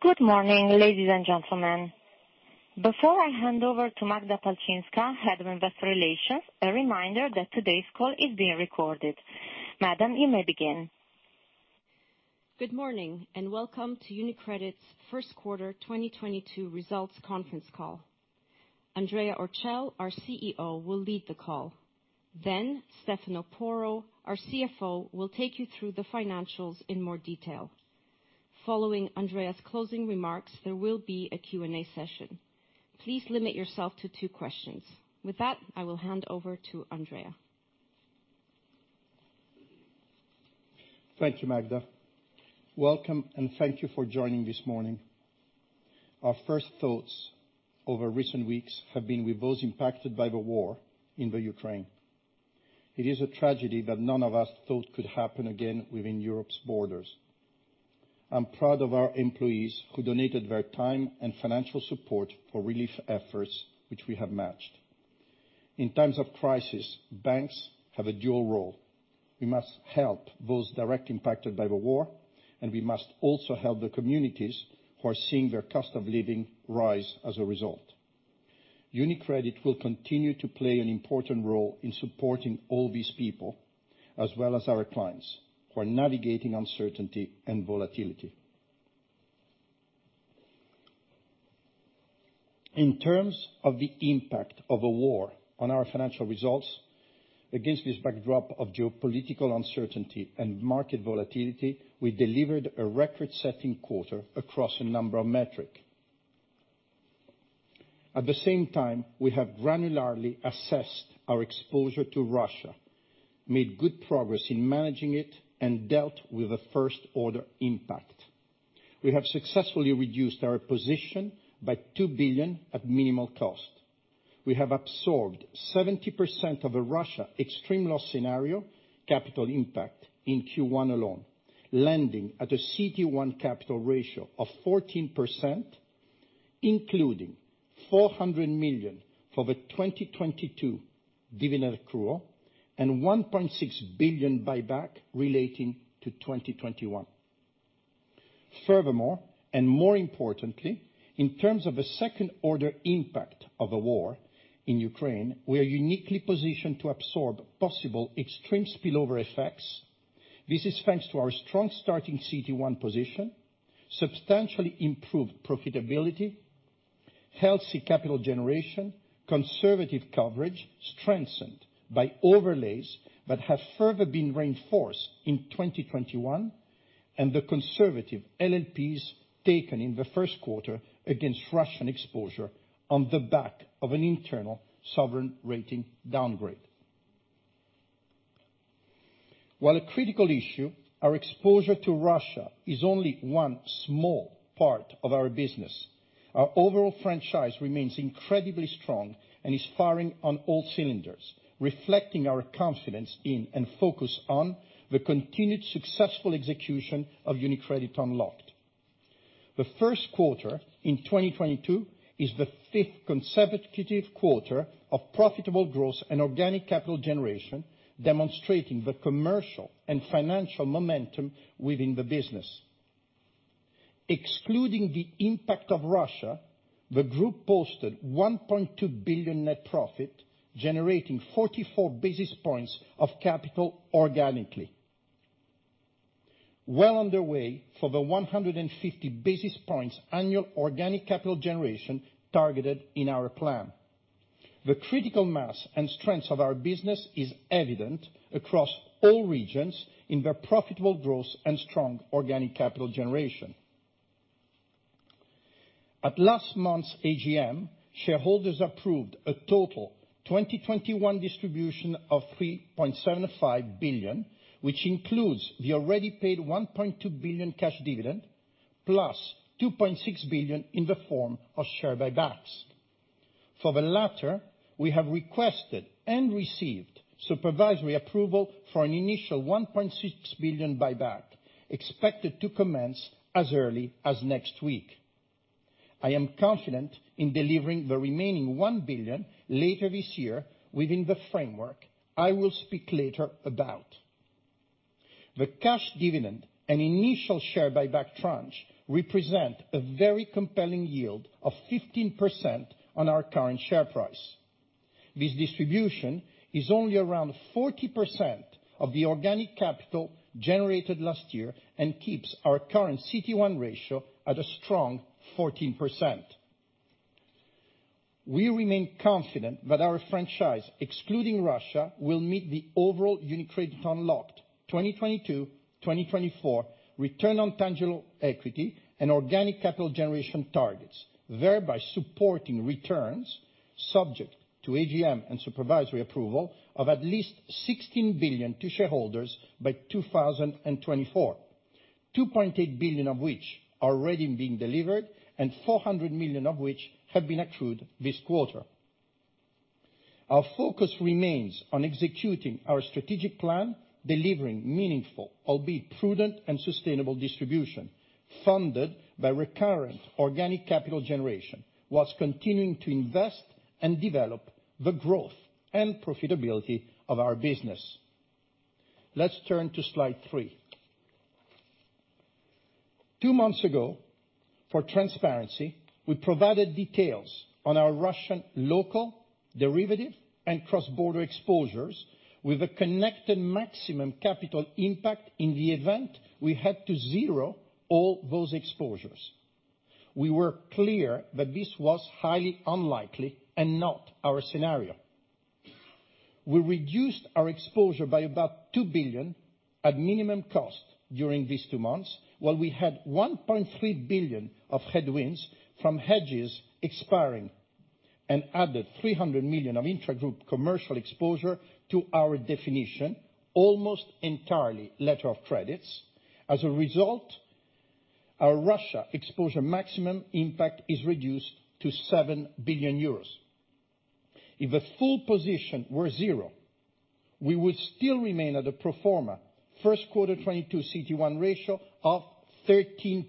Good morning, ladies, and gentlemen. Before I hand over to Magda Palczynska, Head of Investor Relations, a reminder that today's call is being recorded. Madam, you may begin. Good morning, and welcome to UniCredit's First Quarter 2022 Results Conference Call. Andrea Orcel, our CEO, will lead the call. Then Stefano Porro, our CFO, will take you through the financials in more detail. Following Andrea's closing remarks, there will be a Q&A session. Please limit yourself to two questions. With that, I will hand over to Andrea. Thank you, Magda. Welcome and thank you for joining this morning. Our first thoughts over recent weeks have been with those impacted by the war in the Ukraine. It is a tragedy that none of us thought could happen again within Europe's borders. I'm proud of our employees who donated their time and financial support for relief efforts, which we have matched. In times of crisis, banks have a dual role. We must help those directly impacted by the war, and we must also help the communities who are seeing their cost of living rise as a result. UniCredit will continue to play an important role in supporting all these people, as well as our clients who are navigating uncertainty and volatility. In terms of the impact of the war on our financial results, against this backdrop of geopolitical uncertainty and market volatility, we delivered a record-setting quarter across a number of metrics. At the same time, we have granularly assessed our exposure to Russia, made good progress in managing it, and dealt with the first order impact. We have successfully reduced our position by 2 billion at minimal cost. We have absorbed 70% of the Russia extreme loss scenario capital impact in Q1 alone, landing at a CET1 capital ratio of 14%, including 400 million for the 2022 dividend accrual and 1.6 billion buyback relating to 2021. Furthermore, and more importantly, in terms of the second order impact of the war in Ukraine, we are uniquely positioned to absorb possible extreme spillover effects. This is thanks to our strong starting CET1 position, substantially improved profitability, healthy capital generation, conservative coverage strengthened by overlays that have further been reinforced in 2021, and the conservative LLPs taken in the first quarter against Russian exposure on the back of an internal sovereign rating downgrade. While a critical issue, our exposure to Russia is only one small part of our business. Our overall franchise remains incredibly strong and is firing on all cylinders, reflecting our confidence in and focus on the continued successful execution of UniCredit Unlocked. The first quarter in 2022 is the fifth consecutive quarter of profitable growth and organic capital generation, demonstrating the commercial and financial momentum within the business. Excluding the impact of Russia, the group posted 1.2 billion net profit, generating 44 basis points of capital organically. Well underway for the 150 basis points annual organic capital generation targeted in our plan. The critical mass and strengths of our business is evident across all regions in their profitable growth and strong organic capital generation. At last month's AGM, shareholders approved a total 2021 distribution of 3.75 billion, which includes the already paid 1.2 billion cash dividend, plus 2.6 billion in the form of share buybacks. For the latter, we have requested and received supervisory approval for an initial 1.6 billion buyback, expected to commence as early as next week. I am confident in delivering the remaining 1 billion later this year within the framework I will speak later about. The cash dividend and initial share buyback tranche represent a very compelling yield of 15% on our current share price. This distribution is only around 40% of the organic capital generated last year and keeps our current CET1 ratio at a strong 14%. We remain confident that our franchise, excluding Russia, will meet the overall UniCredit Unlocked 2022-2024 return on tangible equity and organic capital generation targets, thereby supporting returns. Subject to AGM and supervisory approval of at least 16 billion to shareholders by 2024. 2.8 billion of which are already being delivered, and 400 million of which have been accrued this quarter. Our focus remains on executing our strategic plan, delivering meaningful, albeit prudent and sustainable distribution, funded by recurrent organic capital generation, while continuing to invest and develop the growth and profitability of our business. Let's turn to slide three. Two months ago, for transparency, we provided details on our Russian local derivative and cross-border exposures with a connected maximum capital impact in the event we had to zero all those exposures. We were clear that this was highly unlikely and not our scenario. We reduced our exposure by about 2 billion at minimum cost during these two months, while we had 1.3 billion of headwinds from hedges expiring, and added 300 million of intra-group commercial exposure to our definition, almost entirely letters of credit. As a result, our Russia exposure maximum impact is reduced to 7 billion euros. If the full position were zero, we would still remain at a pro forma first quarter 2022 CET1 ratio of 13%,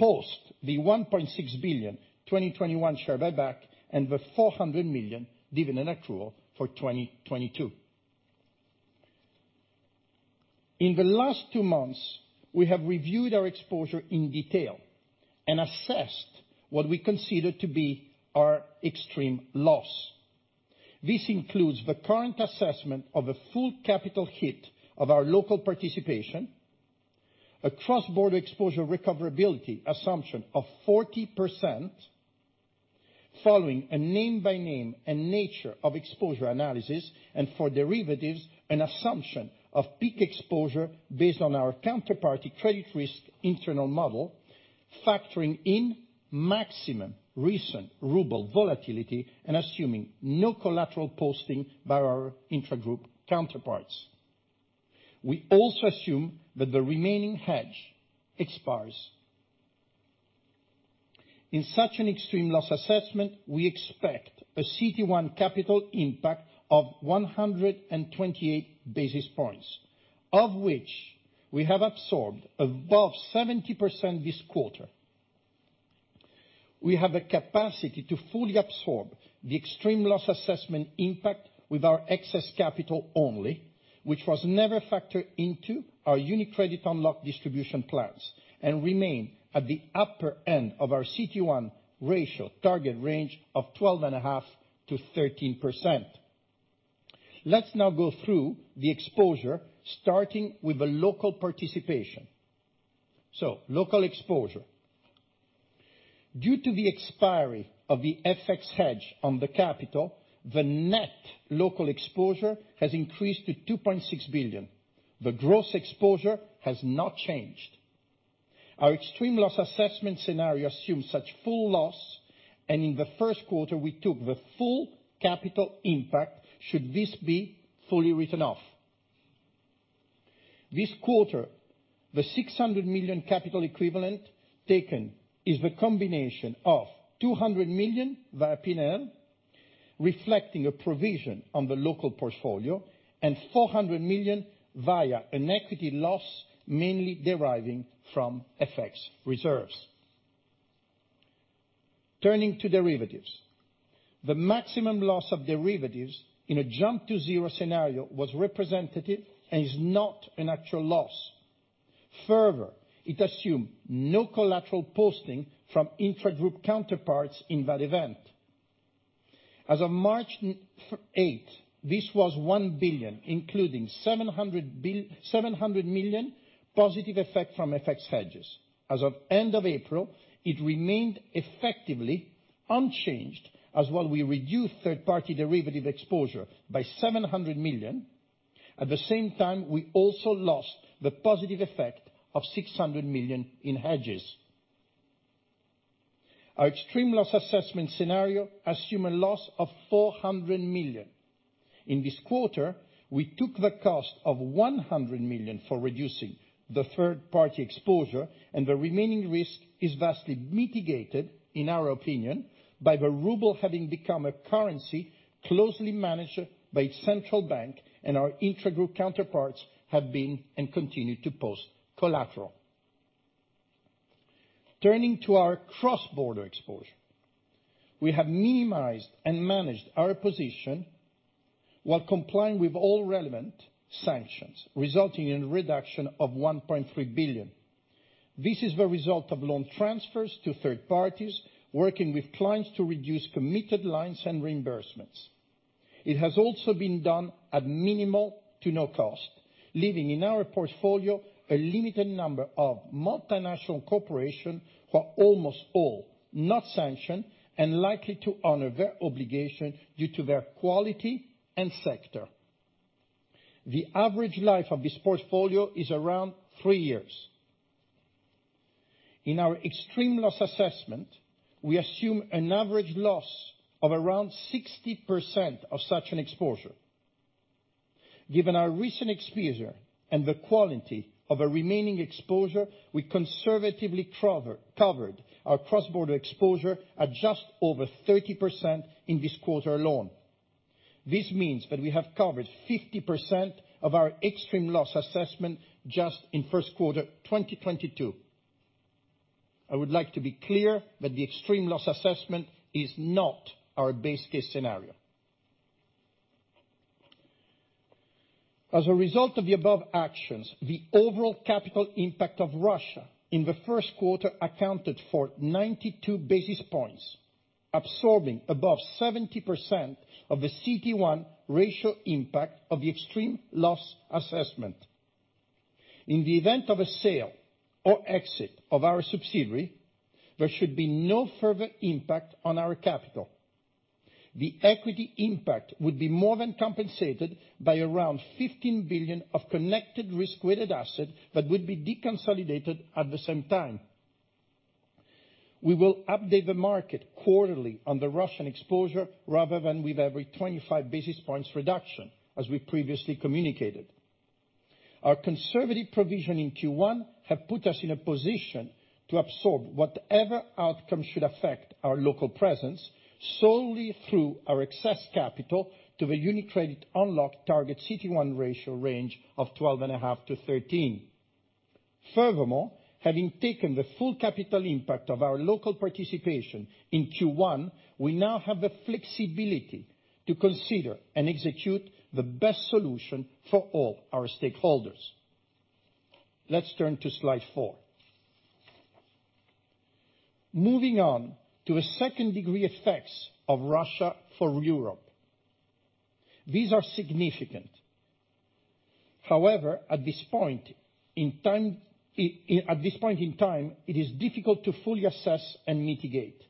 post the 1.6 billion 2021 share buyback and the 400 million dividend accrual for 2022. In the last two months, we have reviewed our exposure in detail and assessed what we consider to be our extreme loss. This includes the current assessment of a full capital hit of our local participation, a cross-border exposure recoverability assumption of 40% following a name by name and nature of exposure analysis, and for derivatives, an assumption of peak exposure based on our counterparty credit risk internal model, factoring in maximum recent ruble volatility and assuming no collateral posting by our intra-group counterparts. We also assume that the remaining hedge expires. In such an extreme loss assessment, we expect a CET1 capital impact of 128 basis points, of which we have absorbed above 70% this quarter. We have a capacity to fully absorb the extreme loss assessment impact with our excess capital only, which was never factored into our UniCredit Unlocked distribution plans, and remain at the upper end of our CET1 ratio target range of 12.5%-13%. Let's now go through the exposure, starting with the local participation. Local exposure. Due to the expiry of the FX hedge on the capital, the net local exposure has increased to 2.6 billion. The gross exposure has not changed. Our extreme loss assessment scenario assumes such full loss, and in the first quarter, we took the full capital impact should this be fully written off. This quarter, the 600 million capital equivalent taken is the combination of 200 million via P&L, reflecting a provision on the local portfolio, and 400 million via an equity loss, mainly deriving from FX reserves. Turning to derivatives. The maximum loss of derivatives in a jump to zero scenario was representative and is not an actual loss. Further, it assumed no collateral posting from intra-group counterparts in that event. As of March 8th, this was 1 billion, including 700 million positive effect from FX hedges. As of end of April, it remained effectively unchanged as while we reduced third-party derivative exposure by 700 million, at the same time, we also lost the positive effect of 600 million in hedges. Our extreme loss assessment scenario assume a loss of 400 million. In this quarter, we took the cost of 100 million for reducing the third-party exposure, and the remaining risk is vastly mitigated, in our opinion, by the ruble having become a currency closely managed by its central bank, and our intra-group counterparts have been and continue to post collateral. Turning to our cross-border exposure. We have minimized and managed our position while complying with all relevant sanctions, resulting in a reduction of 1.3 billion. This is the result of loan transfers to third parties, working with clients to reduce committed lines and reimbursements. It has also been done at minimal to no cost, leaving in our portfolio a limited number of multinational corporation who are almost all not sanctioned and likely to honor their obligation due to their quality and sector. The average life of this portfolio is around three years. In our extreme loss assessment, we assume an average loss of around 60% of such an exposure. Given our recent exposure and the quality of a remaining exposure, we conservatively covered our cross-border exposure at just over 30% in this quarter alone. This means that we have covered 50% of our extreme loss assessment just in first quarter, 2022. I would like to be clear that the extreme loss assessment is not our base case scenario. As a result of the above actions, the overall capital impact of Russia in the first quarter accounted for 92 basis points, absorbing above 70% of the CET1 ratio impact of the extreme loss assessment. In the event of a sale or exit of our subsidiary, there should be no further impact on our capital. The equity impact would be more than compensated by around 15 billion of connected risk-weighted assets that would be deconsolidated at the same time. We will update the market quarterly on the Russian exposure rather than with every 25 basis points reduction, as we previously communicated. Our conservative provision in Q1 has put us in a position to absorb whatever outcome should affect our local presence solely through our excess capital to the UniCredit Unlocked target CET1 ratio range of 12.5%-13%. Furthermore, having taken the full capital impact of our local participation in Q1, we now have the flexibility to consider and execute the best solution for all our stakeholders. Let's turn to slide four. Moving on to second-order effects of Russia for Europe. These are significant. However, at this point in time. At this point in time, it is difficult to fully assess and mitigate.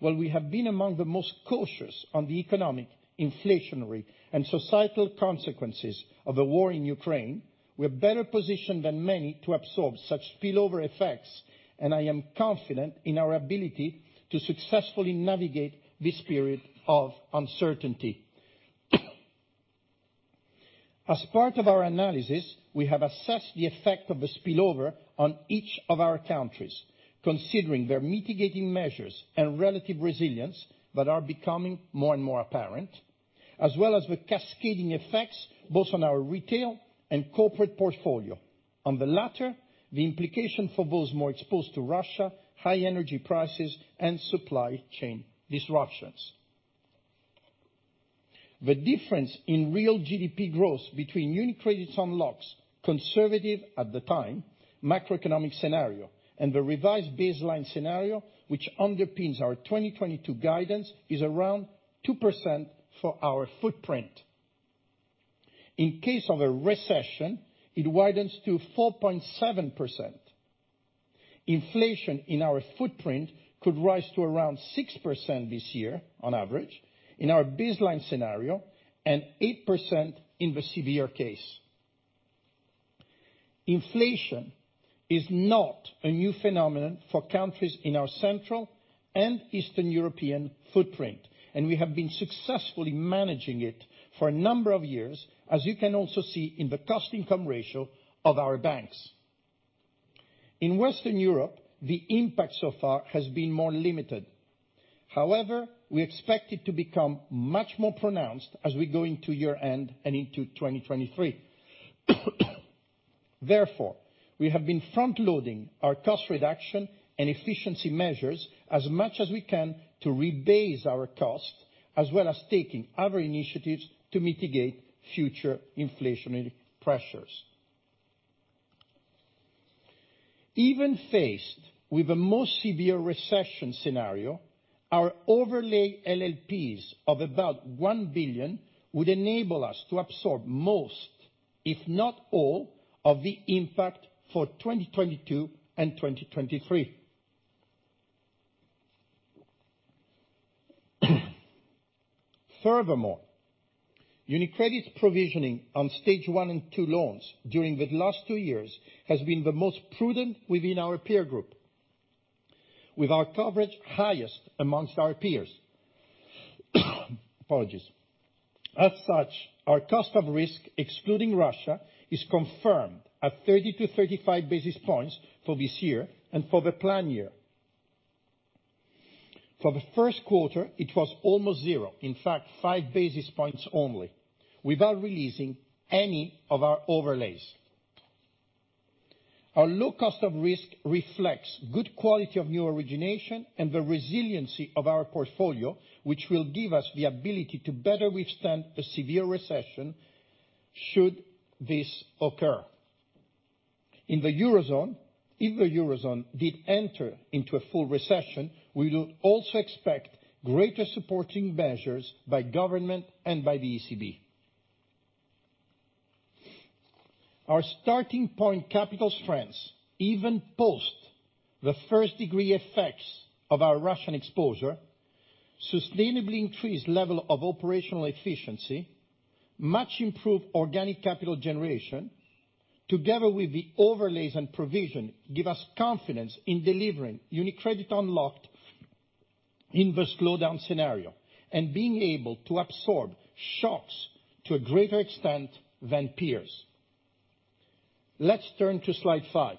While we have been among the most cautious on the economic, inflationary, and societal consequences of the war in Ukraine, we're better positioned than many to absorb such spillover effects, and I am confident in our ability to successfully navigate this period of uncertainty. As part of our analysis, we have assessed the effect of the spillover on each of our countries, considering their mitigating measures and relative resilience that are becoming more and more apparent, as well as the cascading effects both on our retail and corporate portfolio. On the latter, the implication for those more exposed to Russia, high energy prices, and supply chain disruptions. The difference in real GDP growth between UniCredit Unlocked conservative at the time, macroeconomic scenario, and the revised baseline scenario, which underpins our 2022 guidance, is around 2% for our footprint. In case of a recession, it widens to 4.7%. Inflation in our footprint could rise to around 6% this year on average in our baseline scenario, and 8% in the severe case. Inflation is not a new phenomenon for countries in our Central and Eastern European footprint, and we have been successfully managing it for a number of years, as you can also see in the cost income ratio of our banks. In Western Europe, the impact so far has been more limited. However, we expect it to become much more pronounced as we go into year-end and into 2023. Therefore, we have been front-loading our cost reduction and efficiency measures as much as we can to rebase our cost, as well as taking other initiatives to mitigate future inflationary pressures. Even faced with the most severe recession scenario, our overlay LLPs of about 1 billion would enable us to absorb most, if not all, of the impact for 2022 and 2023. Furthermore, UniCredit's provisioning on Stage 1 and Stage 2 loans during the last two years has been the most prudent within our peer group, with our coverage highest amongst our peers. Apologies. As such, our cost of risk, excluding Russia, is confirmed at 30-35 basis points for this year and for the plan year. For the first quarter, it was almost zero, in fact, 5 basis points only, without releasing any of our overlays. Our low cost of risk reflects good quality of new origination and the resiliency of our portfolio, which will give us the ability to better withstand a severe recession should this occur. In the Eurozone, if the Eurozone did enter into a full recession, we will also expect greater supporting measures by government and by the ECB. Our starting point capital strengths, even post the first degree effects of our Russian exposure. Sustainably increased level of operational efficiency, much improved organic capital generation, together with the overlays and provision, give us confidence in delivering UniCredit Unlocked in the slowdown scenario, and being able to absorb shocks to a greater extent than peers. Let's turn to slide five.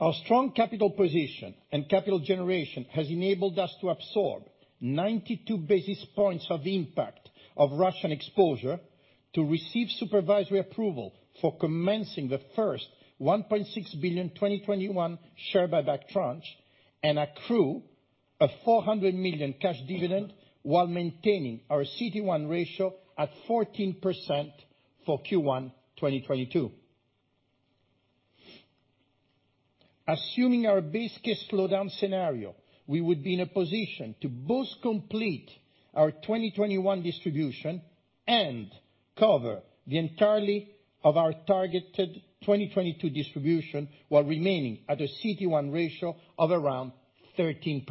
Our strong capital position and capital generation has enabled us to absorb 92 basis points of impact of Russian exposure to receive supervisory approval for commencing the first 1.6 billion 2021 share buyback tranche, and accrue a 400 million cash dividend while maintaining our CET1 ratio at 14% for Q1 2022. Assuming our base case slowdown scenario, we would be in a position to both complete our 2021 distribution and cover the entirety of our targeted 2022 distribution while remaining at a CET1 ratio of around 13%.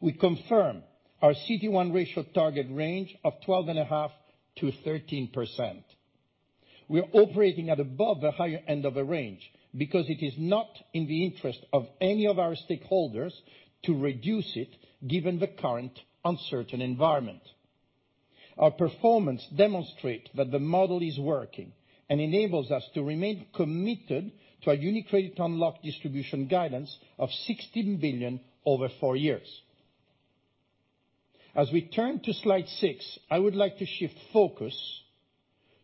We confirm our CET1 ratio target range of 12.5%-13%. We are operating at above the higher end of the range because it is not in the interest of any of our stakeholders to reduce it given the current uncertain environment. Our performance demonstrate that the model is working, and enables us to remain committed to our UniCredit Unlocked distribution guidance of 16 billion over four years. As we turn to slide six, I would like to shift focus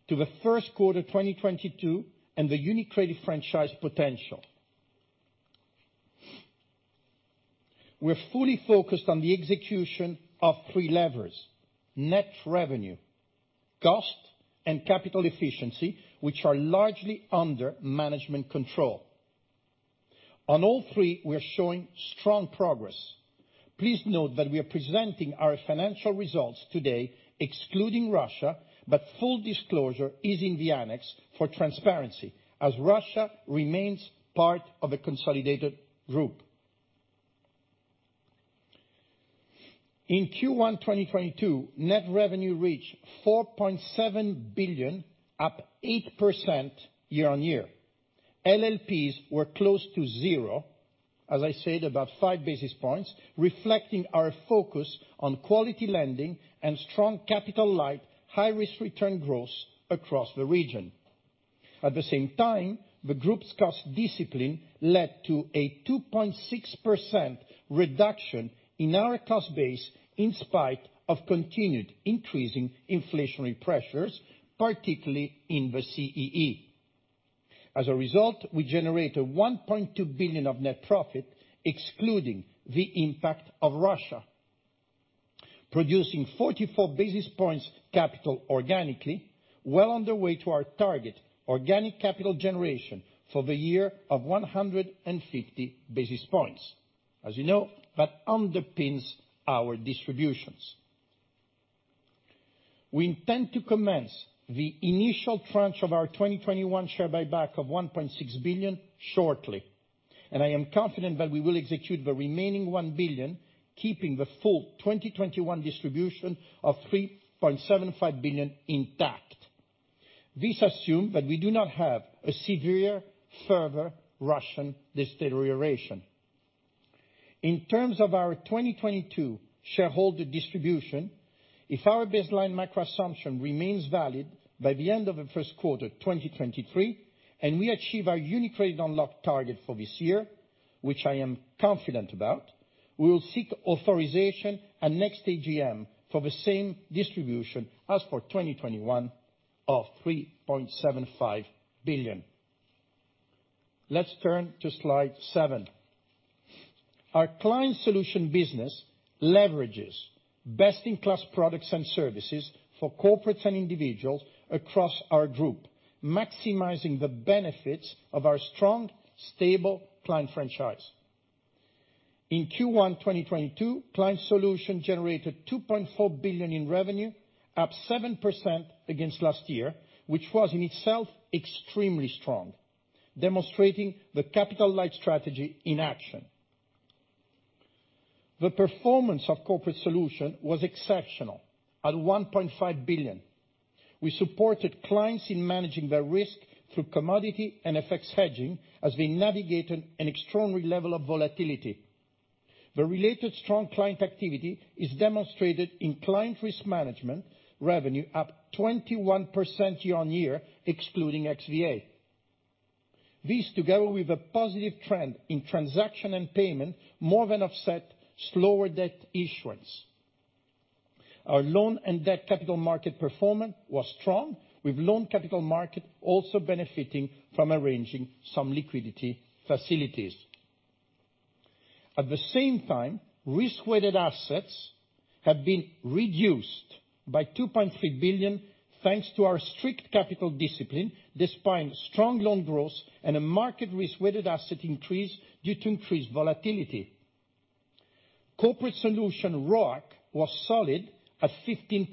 to the first quarter 2022 and the UniCredit franchise potential. We're fully focused on the execution of three levers, net revenue, cost, and capital efficiency, which are largely under management control. On all three, we are showing strong progress. Please note that we are presenting our financial results today, excluding Russia, but full disclosure is in the annex for transparency, as Russia remains part of a consolidated group. In Q1 2022, net revenue reached 4.7 billion, up 8% year-on-year. LLPs were close to zero, as I said, about five basis points, reflecting our focus on quality lending and strong capital light, high risk-return growth across the region. At the same time, the group's cost discipline led to a 2.6% reduction in our cost base in spite of continued increasing inflationary pressures, particularly in the CEE. As a result, we generated 1.2 billion of net profit excluding the impact of Russia, producing 44 basis points capital organically, well on the way to our target organic capital generation for the year of 150 basis points. As you know, that underpins our distributions. We intend to commence the initial tranche of our 2021 share buyback of 1.6 billion shortly, and I am confident that we will execute the remaining 1 billion, keeping the full 2021 distribution of 3.75 billion intact. This assumes that we do not have a severe further Russian deterioration. In terms of our 2022 shareholder distribution, if our baseline macro assumption remains valid by the end of the first quarter 2023, and we achieve our UniCredit Unlocked target for this year, which I am confident about, we will seek authorization at next AGM for the same distribution as for 2021 of 3.75 billion. Let's turn to slide seven. Our client solution business leverages best in class products and services for corporates and individuals across our group, maximizing the benefits of our strong, stable client franchise. In Q1 2022, client solution generated 2.4 billion in revenue, up 7% against last year, which was in itself extremely strong, demonstrating the capital light strategy in action. The performance of corporate solution was exceptional at 1.5 billion. We supported clients in managing their risk through commodity and FX hedging as we navigated an extraordinary level of volatility. The related strong client activity is demonstrated in client risk management revenue up 21% year-on-year, excluding XVA. This together with a positive trend in transaction and payment more than offset slower debt issuance. Our loan and debt capital market performance was strong, with loan capital market also benefiting from arranging some liquidity facilities. At the same time, risk-weighted assets have been reduced by 2.3 billion thanks to our strict capital discipline, despite strong loan growth and a market risk-weighted asset increase due to increased volatility. Corporate solution RoAC was solid at 15%.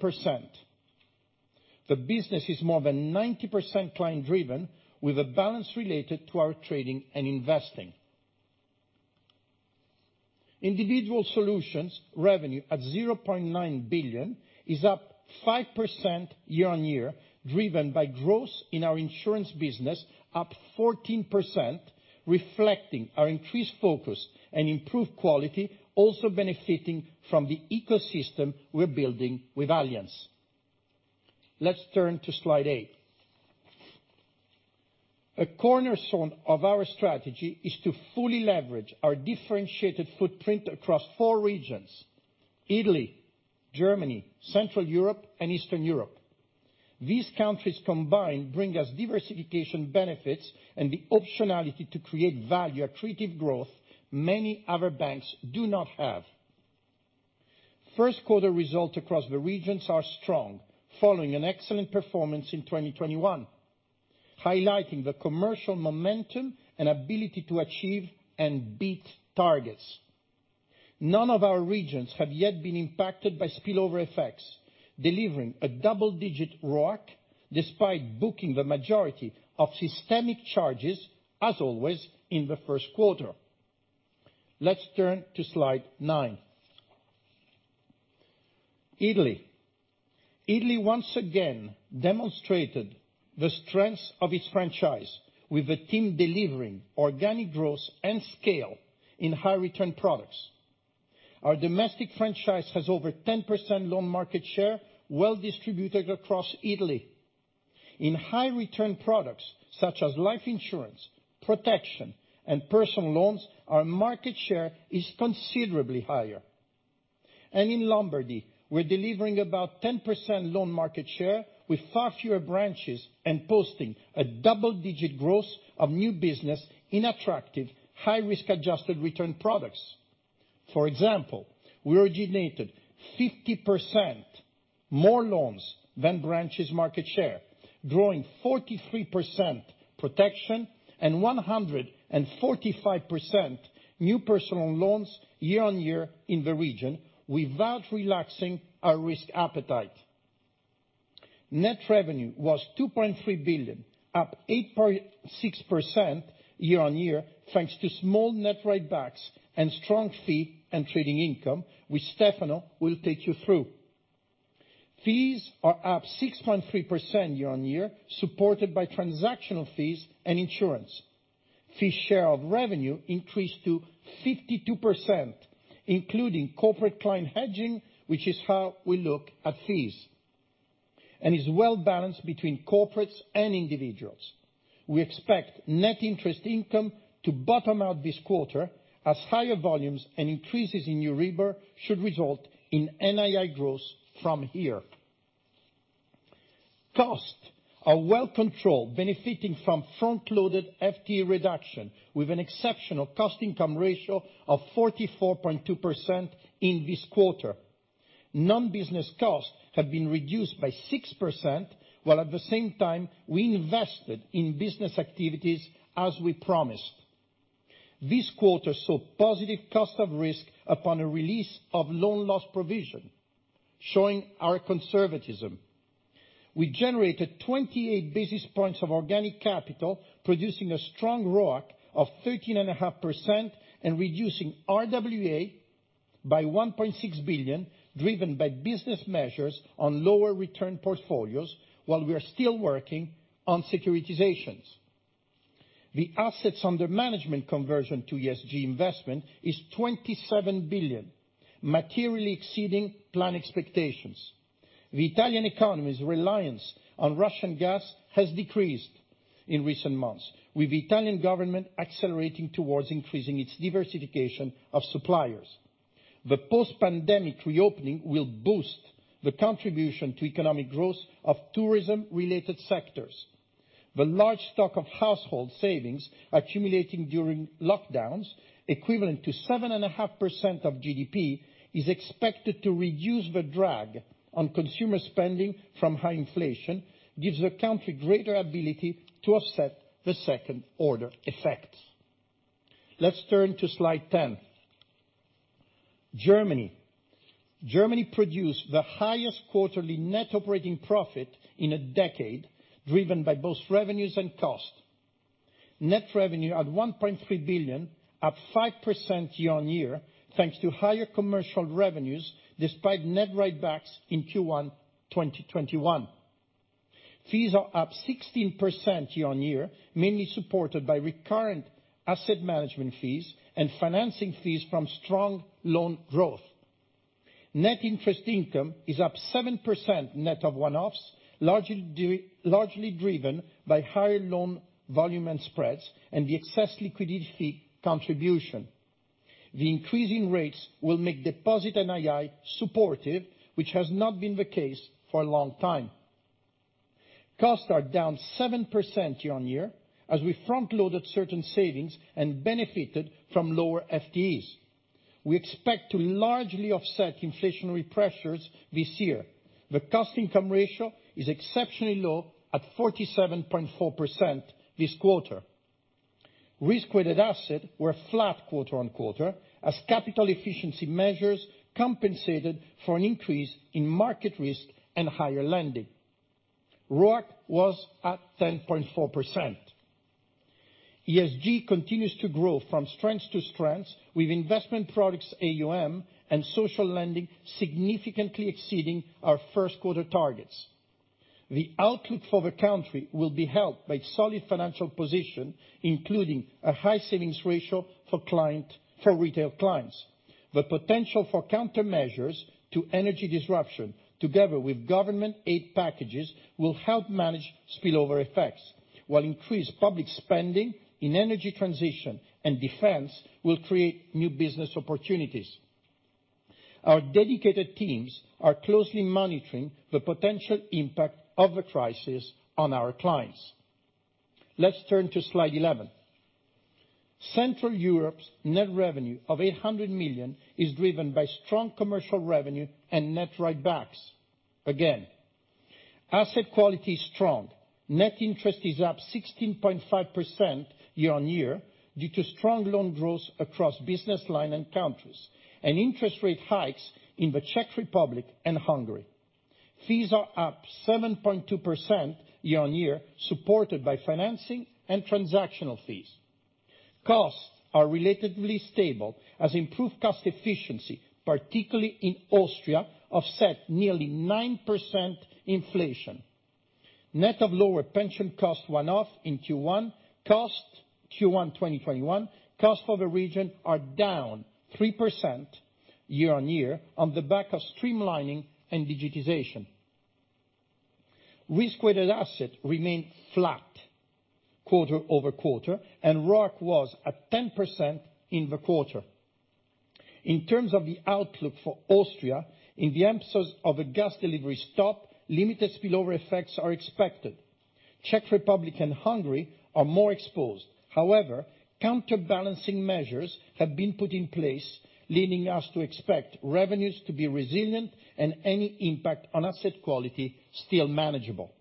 The business is more than 90% client driven, with a balance related to our trading and investing. Individual solutions revenue at 0.9 billion is up 5% year-on-year, driven by growth in our insurance business up 14%, reflecting our increased focus and improved quality, also benefiting from the ecosystem we're building with Allianz. Let's turn to slide eight. A cornerstone of our strategy is to fully leverage our differentiated footprint across four regions, Italy, Germany, Central Europe, and Eastern Europe. These countries combined bring us diversification benefits and the optionality to create value accretive growth many other banks do not have. First quarter results across the regions are strong following an excellent performance in 2021, highlighting the commercial momentum and ability to achieve and beat targets. None of our regions have yet been impacted by spillover effects, delivering a double-digit RoAC despite booking the majority of systemic charges, as always, in the first quarter. Let's turn to slide nine. Italy. Italy once again demonstrated the strength of its franchise with the team delivering organic growth and scale in high return products. Our domestic franchise has over 10% loan market share well distributed across Italy. In high return products such as life insurance, protection, and personal loans, our market share is considerably higher. In Lombardy, we're delivering about 10% loan market share with far fewer branches and posting a double-digit growth of new business in attractive high risk-adjusted return products. For example, we originated 50% more loans than branches market share, growing 43% protection and 145% new personal loans year-on-year in the region without relaxing our risk appetite. Net revenue was 2.3 billion, up 8.6% year-on-year, thanks to small net write-backs and strong fee and trading income, which Stefano will take you through. Fees are up 6.3% year-on-year, supported by transactional fees and insurance. Fee share of revenue increased to 52%, including corporate client hedging, which is how we look at fees, and is well balanced between corporates and individuals. We expect net interest income to bottom out this quarter as higher volumes and increases in EURIBOR should result in NII growth from here. Costs are well controlled, benefiting from front-loaded FTE reduction with an exceptional cost income ratio of 44.2% in this quarter. Non-business costs have been reduced by 6%, while at the same time we invested in business activities as we promised. This quarter saw positive cost of risk upon a release of loan loss provision, showing our conservatism. We generated 28 basis points of organic capital, producing a strong RoAC of 13.5% and reducing RWA by 1.6 billion, driven by business measures on lower return portfolios while we are still working on securitizations. The assets under management conversion to ESG investment is 27 billion, materially exceeding plan expectations. The Italian economy's reliance on Russian gas has decreased in recent months, with the Italian government accelerating towards increasing its diversification of suppliers. The post-pandemic reopening will boost the contribution to economic growth of tourism-related sectors. The large stock of household savings accumulating during lockdowns, equivalent to 7.5% of GDP, is expected to reduce the drag on consumer spending from high inflation. This gives the country greater ability to offset the second order effects. Let's turn to slide 10. Germany. Germany produced the highest quarterly net operating profit in a decade, driven by both revenues and costs. Net revenue at 1.3 billion, up 5% year-on-year, thanks to higher commercial revenues despite net write-backs in Q1 2021. Fees are up 16% year-on-year, mainly supported by recurrent asset management fees and financing fees from strong loan growth. Net interest income is up 7% net of one-offs, largely driven by higher loan volume and spreads, and the excess liquidity fee contribution. The increase in rates will make deposit NII supportive, which has not been the case for a long time. Costs are down 7% year-on-year as we front-loaded certain savings and benefited from lower FTEs. We expect to largely offset inflationary pressures this year. The cost income ratio is exceptionally low at 47.4% this quarter. Risk-weighted assets were flat quarter-on-quarter as capital efficiency measures compensated for an increase in market risk and higher lending. RoAC was at 10.4%. ESG continues to grow from strength to strength with investment products AUM and social lending significantly exceeding our first quarter targets. The outlook for the country will be helped by solid financial position, including a high savings ratio for retail clients. The potential for countermeasures to energy disruption together with government aid packages will help manage spillover effects. While increased public spending in energy transition and defense will create new business opportunities. Our dedicated teams are closely monitoring the potential impact of the crisis on our clients. Let's turn to slide 11. Central Europe's net revenue of 800 million is driven by strong commercial revenue and net write-backs. Again, asset quality is strong. Net interest is up 16.5% year-over-year due to strong loan growth across business line and countries, and interest rate hikes in the Czech Republic and Hungary. Fees are up 7.2% year-over-year, supported by financing and transactional fees. Costs are relatively stable as improved cost efficiency, particularly in Austria, offset nearly 9% inflation. Net of lower pension costs one-off in Q1, costs Q1 2021, costs for the region are down 3% year-over-year on the back of streamlining and digitization. Risk-weighted assets remained flat quarter-over-quarter, and RoAC was at 10% in the quarter. In terms of the outlook for Austria, in the event of a gas delivery stop, limited spillover effects are expected. Czech Republic and Hungary are more exposed. However, counterbalancing measures have been put in place, leading us to expect revenues to be resilient and any impact on asset quality still manageable.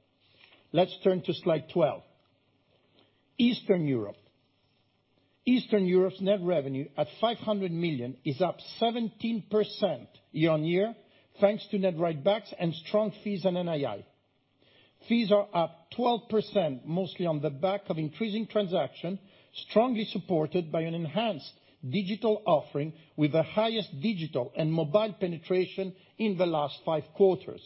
Let's turn to slide 12. Eastern Europe. Eastern Europe's net revenue at 500 million is up 17% year-on-year, thanks to net write-backs and strong fees and NII. Fees are up 12% mostly on the back of increasing transaction, strongly supported by an enhanced digital offering with the highest digital and mobile penetration in the last five quarters.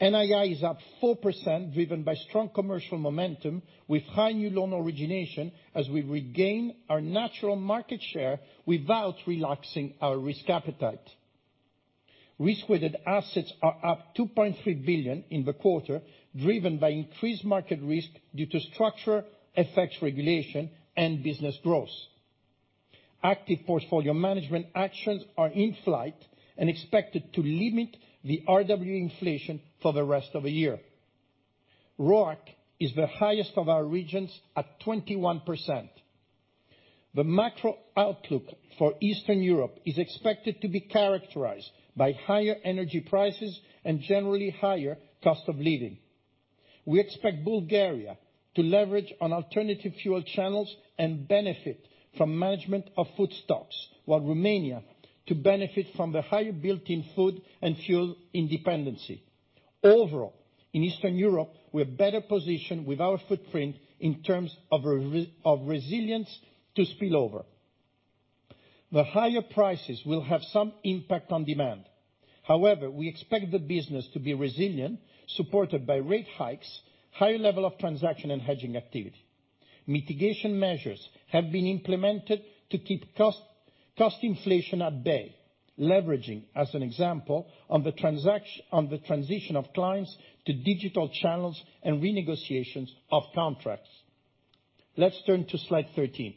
NII is up 4% driven by strong commercial momentum with high new loan origination as we regain our natural market share without relaxing our risk appetite. Risk-weighted assets are up 2.3 billion in the quarter, driven by increased market risk due to structural effects, regulation and business growth. Active portfolio management actions are in flight and expected to limit the RWA inflation for the rest of the year. RoAC is the highest of our regions at 21%. The macro outlook for Eastern Europe is expected to be characterized by higher energy prices and generally higher cost of living. We expect Bulgaria to leverage on alternative fuel channels and benefit from management of food stocks, while Romania to benefit from the higher built-in food and fuel independence. Overall, in Eastern Europe, we are better positioned with our footprint in terms of resilience to spill over. The higher prices will have some impact on demand. However, we expect the business to be resilient, supported by rate hikes, higher level of transaction and hedging activity. Mitigation measures have been implemented to keep cost inflation at bay, leveraging, as an example, on the transition of clients to digital channels and renegotiations of contracts. Let's turn to slide 13.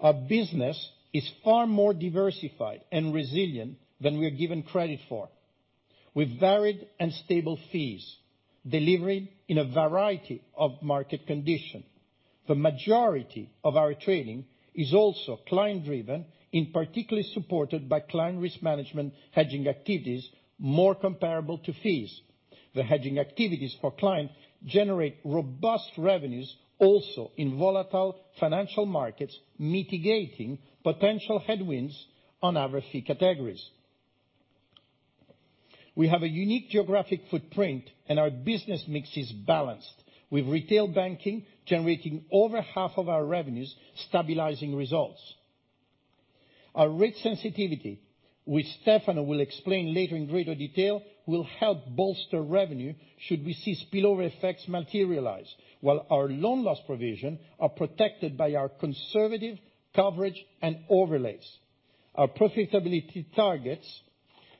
Our business is far more diversified and resilient than we are given credit for. With varied and stable fees delivered in a variety of market conditions. The majority of our trading is also client driven, in particular supported by client risk management hedging activities more comparable to fees. The hedging activities for clients generate robust revenues also in volatile financial markets, mitigating potential headwinds on our fee categories. We have a unique geographic footprint, and our business mix is balanced, with retail banking generating over half of our revenues, stabilizing results. Our rate sensitivity, which Stefano will explain later in greater detail, will help bolster revenue should we see spillover effects materialize, while our loan loss provisions are protected by our conservative coverage and overlays. Our profitability targets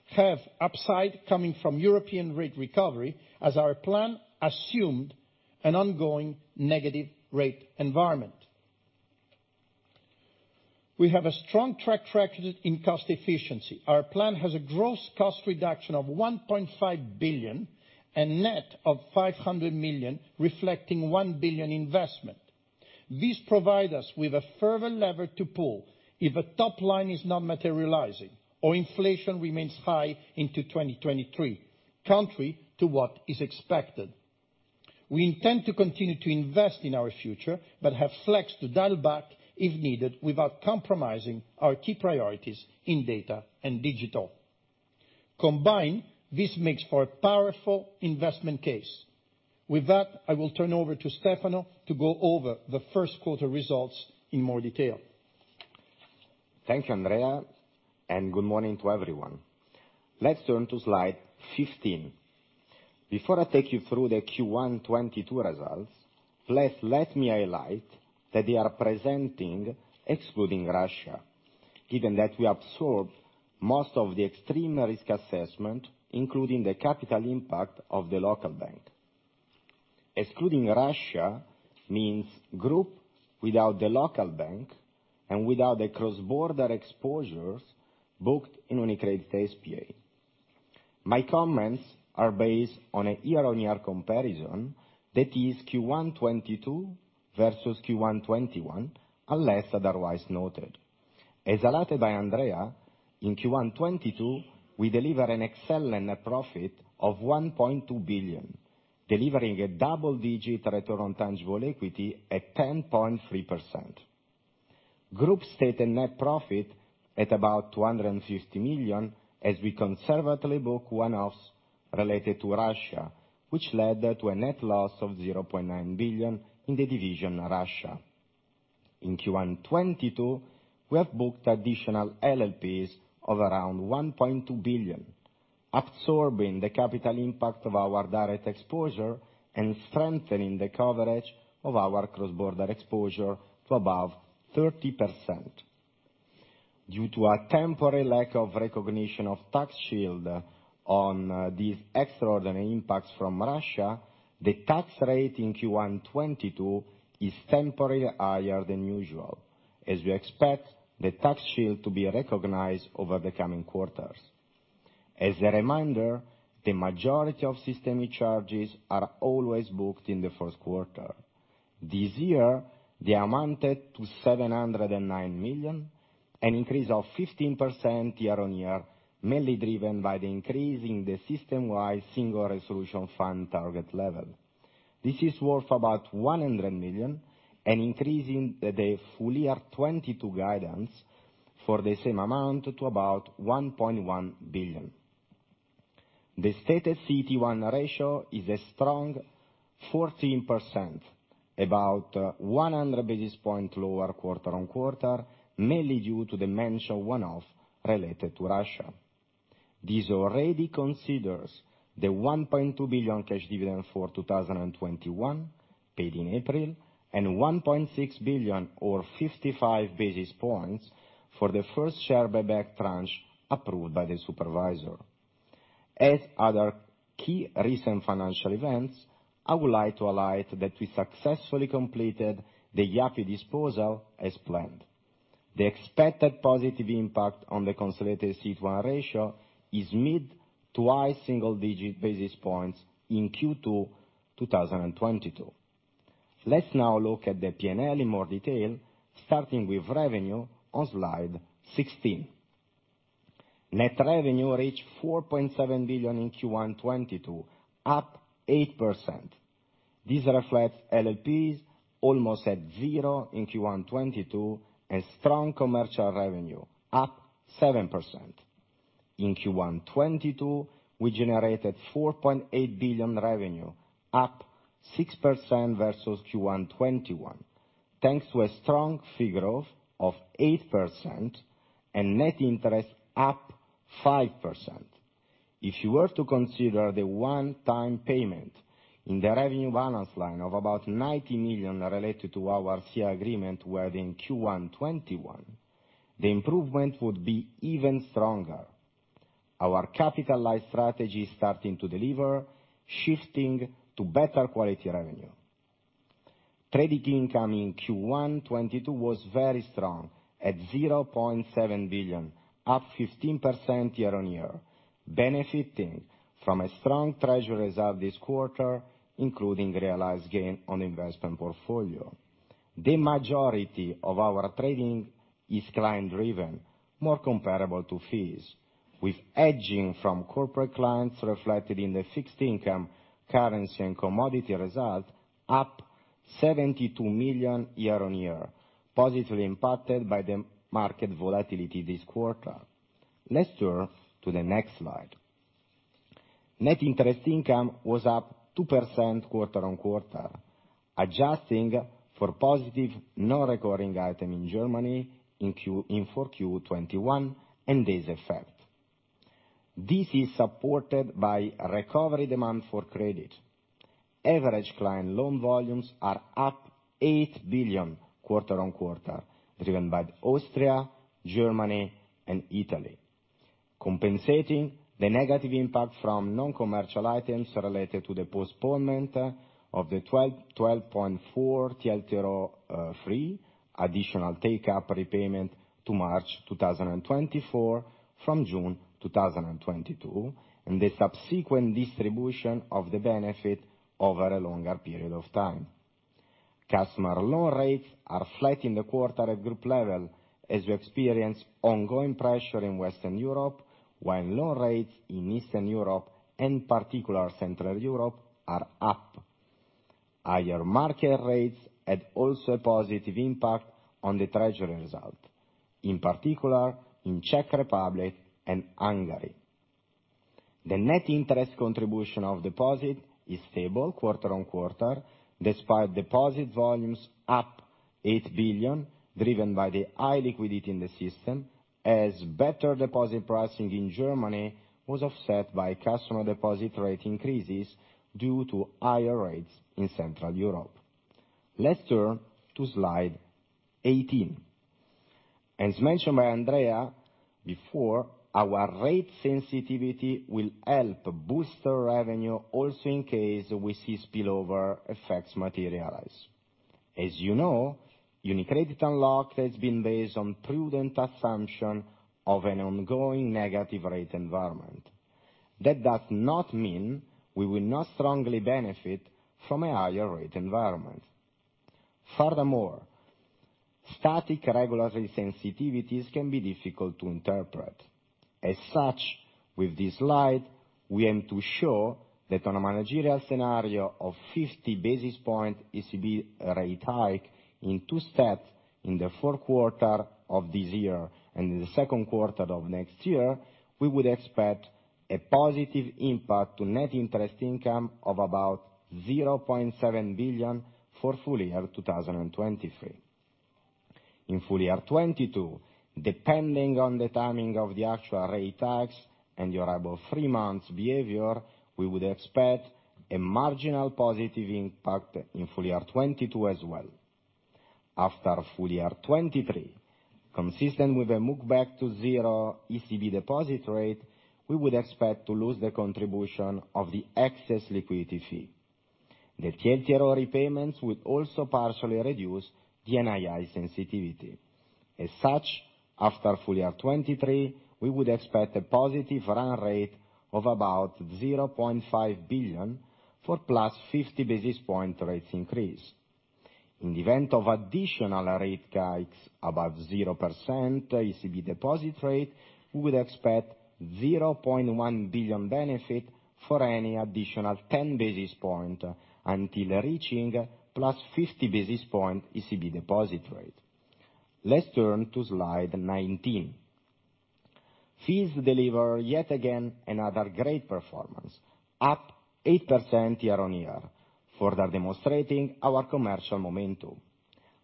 have upside coming from European rate recovery as our plan assumed an ongoing negative rate environment. We have a strong track record in cost efficiency. Our plan has a gross cost reduction of 1.5 billion and net of 500 million, reflecting 1 billion investment. This provides us with a further lever to pull if a top line is not materializing or inflation remains high into 2023, contrary to what is expected. We intend to continue to invest in our future, but have flex to dial back if needed without compromising our key priorities in data and digital. Combined, this makes for a powerful investment case. With that, I will turn over to Stefano to go over the first quarter results in more detail. Thank you, Andrea, and good morning to everyone. Let's turn to slide 15. Before I take you through the Q1 2022 results, please let me highlight that they are presenting excluding Russia, given that we absorbed most of the extreme risk assessment, including the capital impact of the local bank. Excluding Russia means group without the local bank and without the cross-border exposures booked in UniCredit S.p.A. My comments are based on a year-on-year comparison, that is Q1 2022 versus Q1 2021, unless otherwise noted. As highlighted by Andrea, in Q1 2022, we deliver an excellent net profit of 1.2 billion, delivering a double-digit return on tangible equity at 10.3%. Group stated net profit at about 250 million as we conservatively book one-offs related to Russia, which led to a net loss of 0.9 billion in the division Russia. In Q1 2022, we have booked additional LLPs of around 1.2 billion, absorbing the capital impact of our direct exposure and strengthening the coverage of our cross-border exposure to above 30%. Due to a temporary lack of recognition of tax shield on these extraordinary impacts from Russia, the tax rate in Q1 2022 is temporarily higher than usual, as we expect the tax shield to be recognized over the coming quarters. As a reminder, the majority of systemic charges are always booked in the first quarter. This year, they amounted to 709 million, an increase of 15% year-on-year, mainly driven by the increase in the system-wide Single Resolution Fund target level. This is worth about 100 million, an increase in the full year 2022 guidance for the same amount to about 1.1 billion. The stated CET1 ratio is a strong 14%, about 100 basis points lower quarter-on-quarter, mainly due to the mentioned one-off related to Russia. This already considers the 1.2 billion cash dividend for 2021 paid in April, and 1.6 billion or 55 basis points for the first share buyback tranche approved by the supervisor. As other key recent financial events, I would like to highlight that we successfully completed the Yapı Kredi disposal as planned. The expected positive impact on the consolidated CET1 ratio is mid- to high single-digit basis points in Q2 2022. Let's now look at the P&L in more detail, starting with revenue on slide 16. Net revenue reached 4.7 billion in Q1 2022, up 8%. This reflects LLPs almost at zero in Q1 2022, and strong commercial revenue up 7%. In Q1 2022, we generated 4.8 billion revenue, up 6% versus Q1 2021, thanks to a strong fee growth of 8% and net interest up 5%. If you were to consider the one-time payment in the revenue balance line of about 90 million related to our FCA agreement which was in Q1 2021, the improvement would be even stronger. Our capitalized strategy is starting to deliver, shifting to better quality revenue. Trading income in Q1 2022 was very strong at 0.7 billion, up 15% year-on-year, benefiting from a strong treasury reserve this quarter, including realized gain on investment portfolio. The majority of our trading is client-driven, more comparable to fees, with hedging from corporate clients reflected in the fixed income currency and commodity result up 72 million year-on-year, positively impacted by the market volatility this quarter. Let's turn to the next slide. Net interest income was up 2% quarter-on-quarter, adjusting for positive non-recurring item in Germany in 4Q 2021 and base effect. This is supported by a recovery in demand for credit. Average client loan volumes are up 8 billion quarter-on-quarter, driven by Austria, Germany, and Italy. Compensating the negative impact from non-commercial items related to the postponement of the 12.4 TLTRO III additional take-up repayment to March 2024 from June 2022, and the subsequent distribution of the benefit over a longer period of time. Customer loan rates are flat in the quarter at group level as we experience ongoing pressure in Western Europe, while loan rates in Eastern Europe, and in particular Central Europe, are up. Higher market rates had also a positive impact on the treasury result, in particular in Czech Republic and Hungary. The net interest contribution of deposit is stable quarter-on-quarter, despite deposit volumes up 8 billion, driven by the high liquidity in the system, as better deposit pricing in Germany was offset by customer deposit rate increases due to higher rates in Central Europe. Let's turn to slide 18. As mentioned by Andrea before, our rate sensitivity will help boost our revenue also in case we see spillover effects materialize. As you know, UniCredit Unlocked has been based on prudent assumption of an ongoing negative rate environment. That does not mean we will not strongly benefit from a higher rate environment. Furthermore, static regulatory sensitivities can be difficult to interpret. As such, with this slide, we aim to show that on a managerial scenario of 50 basis point ECB rate hike in two sets, in the fourth quarter of this year and in the second quarter of next year, we would expect a positive impact to net interest income of about 0.7 billion for full year 2023. In full year 2022, depending on the timing of the actual rate hike and the above three months behavior, we would expect a marginal positive impact in full year 2022 as well. After full year 2023, consistent with a move back to 0 ECB deposit rate, we would expect to lose the contribution of the excess liquidity fee. The TLTRO repayments would also partially reduce the NII sensitivity. As such, after full year 2023, we would expect a positive run rate of about 0.5 billion for +50 basis points rate increase. In the event of additional rate hikes above 0% ECB deposit rate, we would expect 0.1 billion benefit for any additional 10 basis points until reaching +50 basis points ECB deposit rate. Let's turn to slide 19. Fees deliver yet again another great performance, up 8% year-on-year, further demonstrating our commercial momentum.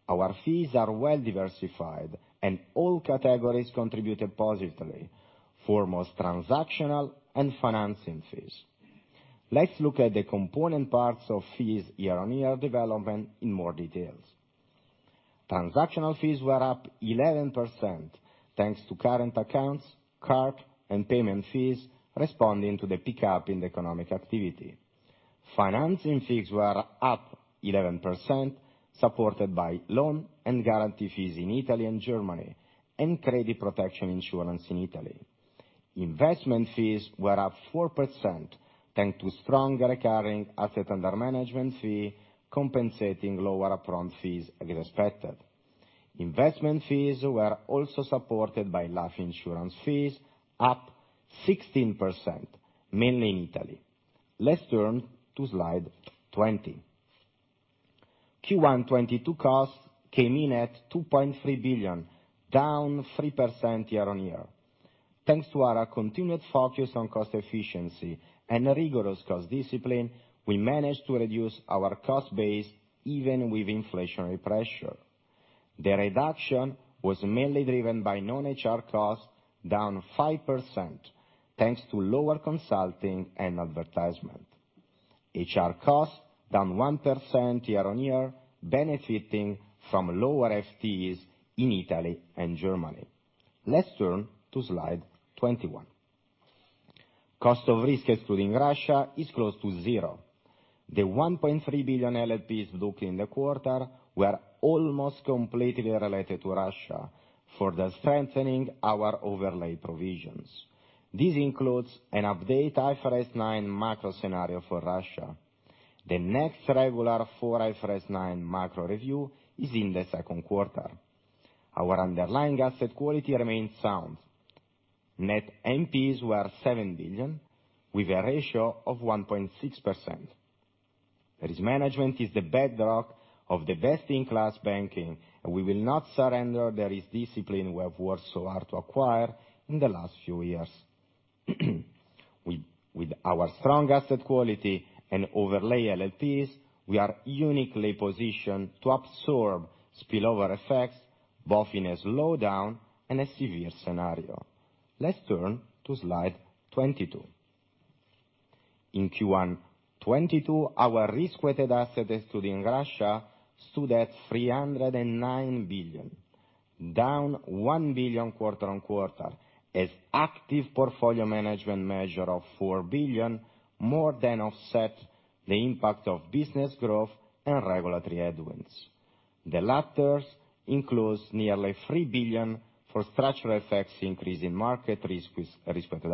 Our fees are well diversified and all categories contributed positively, foremost transactional and financing fees. Let's look at the component parts of fees year-on-year development in more detail. Transactional fees were up 11%, thanks to current accounts, card, and payment fees responding to the pickup in economic activity. Financing fees were up 11%, supported by loan and guarantee fees in Italy and Germany, and credit protection insurance in Italy. Investment fees were up 4%, thanks to strong recurring asset under management fee compensating lower upfront fees as expected. Investment fees were also supported by life insurance fees, up 16%, mainly in Italy. Let's turn to slide 20. Q1 2022 costs came in at 2.3 billion, down 3% year-over-year. Thanks to our continued focus on cost efficiency and rigorous cost discipline, we managed to reduce our cost base even with inflationary pressure. The reduction was mainly driven by non-HR costs, down 5%, thanks to lower consulting and advertisement. HR costs down 1% year-over-year, benefiting from lower FTEs in Italy and Germany. Let's turn to slide 21. Cost of risk excluding Russia is close to zero. The 1.3 billion LLPs booked in the quarter were almost completely related to Russia, further strengthening our overlay provisions. This includes an updated IFRS 9 micro scenario for Russia. The next regular for IFRS 9 micro review is in the second quarter. Our underlying asset quality remains sound. Net NPEs were 7 billion, with a ratio of 1.6%. Risk management is the bedrock of the best-in-class banking, and we will not surrender the risk discipline we have worked so hard to acquire in the last few years. With our strong asset quality and overlay LLPs, we are uniquely positioned to absorb spillover effects, both in a slowdown and a severe scenario. Let's turn to slide 22. In Q1 2022, our risk-weighted assets excluding Russia stood at 309 billion, down 1 billion quarter-on-quarter, as active portfolio management measure of 4 billion more than offset the impact of business growth and regulatory headwinds. The latter includes nearly 3 billion for structural effects increase in market risk-weighted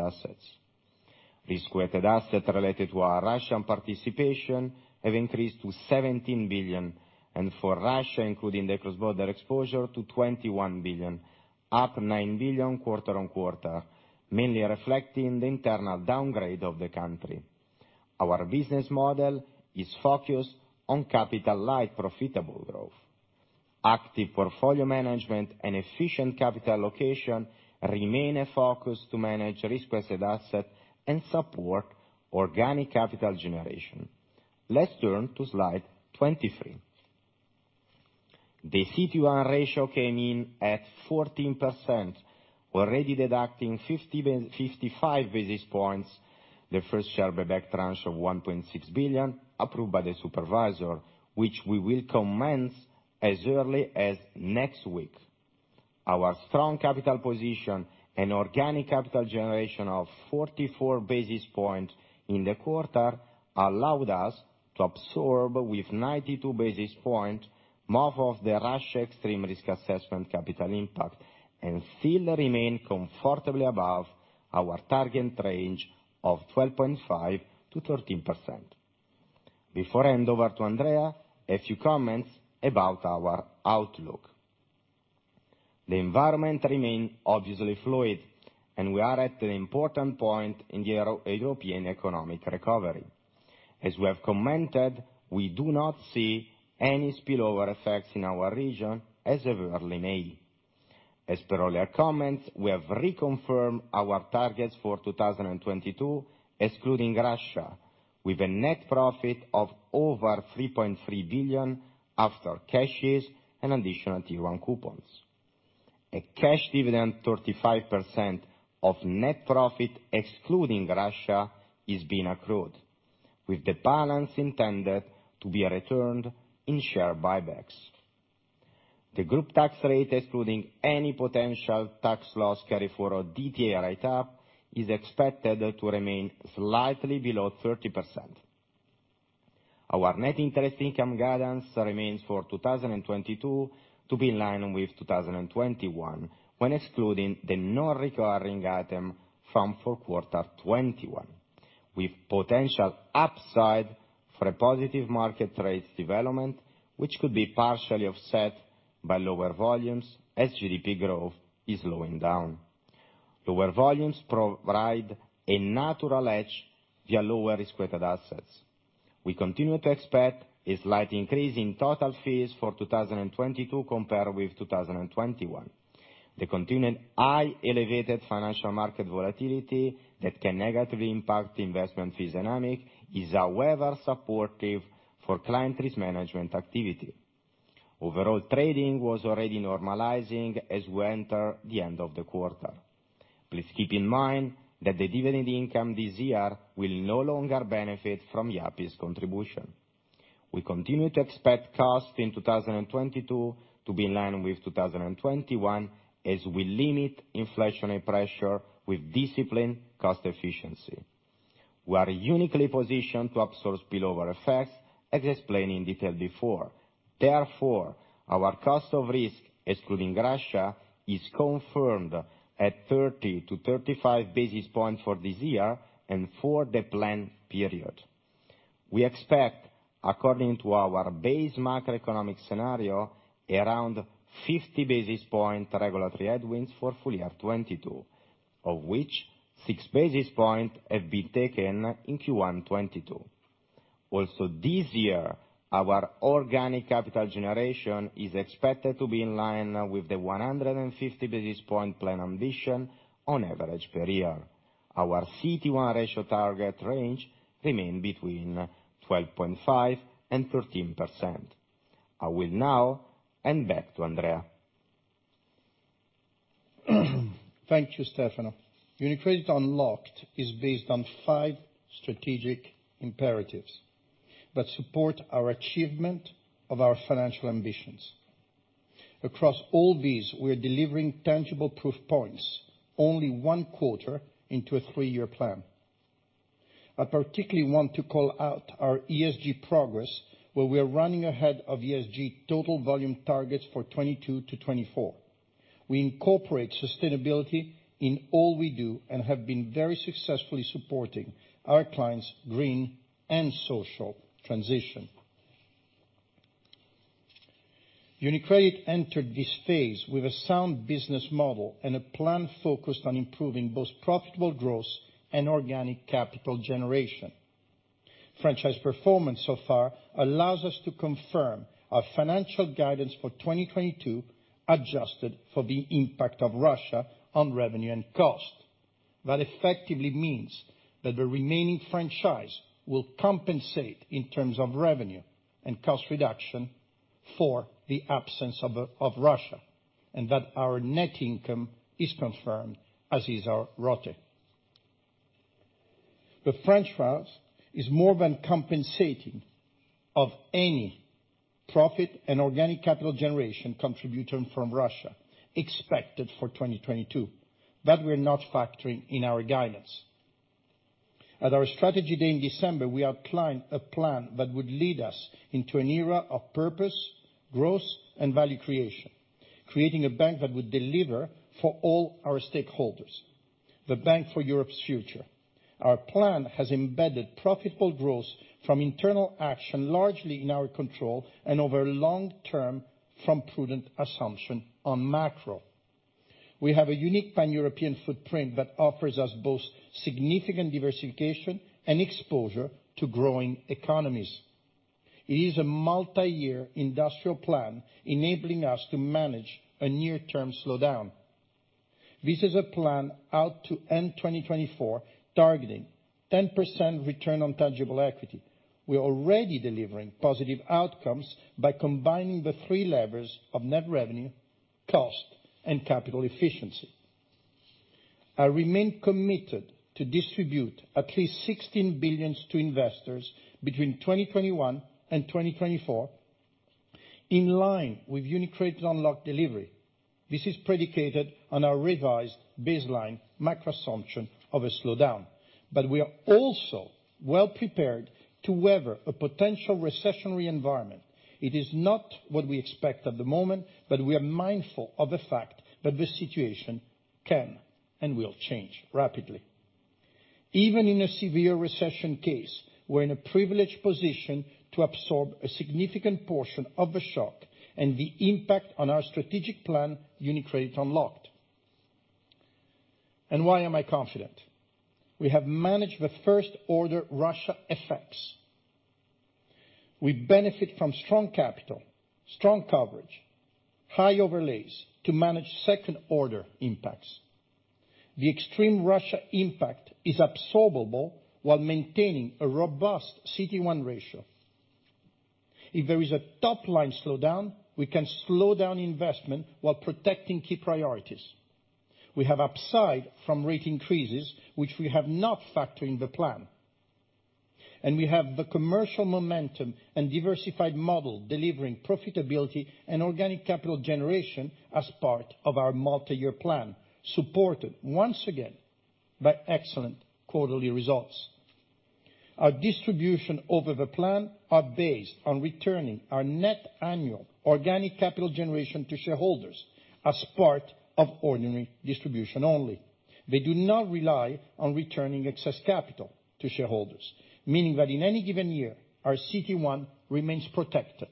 assets related to our Russian participation have increased to 17 billion. For Russia, including the cross-border exposure to 21 billion, up 9 billion quarter-on-quarter, mainly reflecting the internal downgrade of the country. Our business model is focused on capital light profitable growth. Active portfolio management and efficient capital allocation remain a focus to manage risk-weighted asset and support organic capital generation. Let's turn to slide 23. The CET1 ratio came in at 14%, already deducting 55 basis points, the first share buyback tranche of 1.6 billion approved by the supervisor, which we will commence as early as next week. Our strong capital position and organic capital generation of 44 basis points in the quarter allowed us to absorb, with 92 basis points, more of the Russia extreme risk assessment capital impact, and still remain comfortably above our target range of 12.5%-13%. Before I hand over to Andrea, a few comments about our outlook. The environment remain obviously fluid, and we are at an important point in the European economic recovery. As we have commented, we do not see any spillover effects in our region as of early May. As per earlier comments, we have reconfirmed our targets for 2022, excluding Russia, with a net profit of over 3.3 billion after cashes and Additional Tier 1 coupons. A cash dividend 35% of net profit excluding Russia is being accrued, with the balance intended to be returned in share buybacks. The group tax rate, excluding any potential tax loss carryforwards DTA write-up, is expected to remain slightly below 30%. Our net interest income guidance remains for 2022 to be in line with 2021, when excluding the non-recurring item from full quarter 2021, with potential upside for a positive market rate development, which could be partially offset by lower volumes as GDP growth is slowing down. Lower volumes provide a natural edge via lower risk-weighted assets. We continue to expect a slight increase in total fees for 2022 compared with 2021. The continuing highly elevated financial market volatility that can negatively impact investment fees dynamics is, however, supportive for client risk management activity. Overall, trading was already normalizing as we enter the end of the quarter. Please keep in mind that the dividend income this year will no longer benefit from Yapı Kredi's contribution. We continue to expect costs in 2022 to be in line with 2021, as we limit inflationary pressure with disciplined cost efficiency. We are uniquely positioned to absorb spillover effects, as explained in detail before. Therefore, our cost of risk, excluding Russia, is confirmed at 30-35 basis points for this year and for the planned period. We expect, according to our base macroeconomic scenario, around 50 basis point regulatory headwinds for full year 2022, of which 6 basis points have been taken in Q1 2022. Also this year, our organic capital generation is expected to be in line with the 150 basis point plan ambition on average per year. Our CET1 ratio target range remain between 12.5% and 13%. I will now hand back to Andrea. Thank you, Stefano. UniCredit Unlocked is based on five strategic imperatives that support our achievement of our financial ambitions. Across all these, we are delivering tangible proof points only one quarter into a three-year plan. I particularly want to call out our ESG progress, where we are running ahead of ESG total volume targets for 2022-2024. We incorporate sustainability in all we do and have been very successfully supporting our clients' green and social transition. UniCredit entered this phase with a sound business model and a plan focused on improving both profitable growth and organic capital generation. Franchise performance so far allows us to confirm our financial guidance for 2022, adjusted for the impact of Russia on revenue and cost. That effectively means that the remaining franchise will compensate in terms of revenue and cost reduction for the absence of Russia, and that our net income is confirmed, as is our ROTCE. The franchise is more than compensating for any profit and organic capital generation contribution from Russia expected for 2022. That we're not factoring in our guidance. At our strategy day in December, we outlined a plan that would lead us into an era of purpose, growth, and value creation. Creating a bank that would deliver for all our stakeholders, the bank for Europe's future. Our plan has embedded profitable growth from internal action, largely in our control, and over long term, from prudent assumption on macro. We have a unique Pan-European footprint that offers us both significant diversification and exposure to growing economies. It is a multi-year industrial plan enabling us to manage a near-term slowdown. This is a plan out to end 2024 targeting 10% return on tangible equity. We are already delivering positive outcomes by combining the three levers of net revenue, cost, and capital efficiency. I remain committed to distribute at least 16 billion to investors between 2021 and 2024 in line with UniCredit Unlocked delivery. This is predicated on our revised baseline macro assumption of a slowdown. We are also well prepared to weather a potential recessionary environment. It is not what we expect at the moment, but we are mindful of the fact that this situation can and will change rapidly. Even in a severe recession case, we're in a privileged position to absorb a significant portion of the shock and the impact on our strategic plan, UniCredit Unlocked. Why am I confident? We have managed the first order Russia effects. We benefit from strong capital, strong coverage, high overlays to manage second-order impacts. The extreme Russia impact is absorbable while maintaining a robust CET1 ratio. If there is a top-line slowdown, we can slow down investment while protecting key priorities. We have upside from rate increases, which we have not factored in the plan. We have the commercial momentum and diversified model delivering profitability and organic capital generation as part of our multi-year plan, supported once again by excellent quarterly results. Our distribution over the plan are based on returning our net annual organic capital generation to shareholders as part of ordinary distribution only. They do not rely on returning excess capital to shareholders, meaning that in any given year, our CET1 remains protected.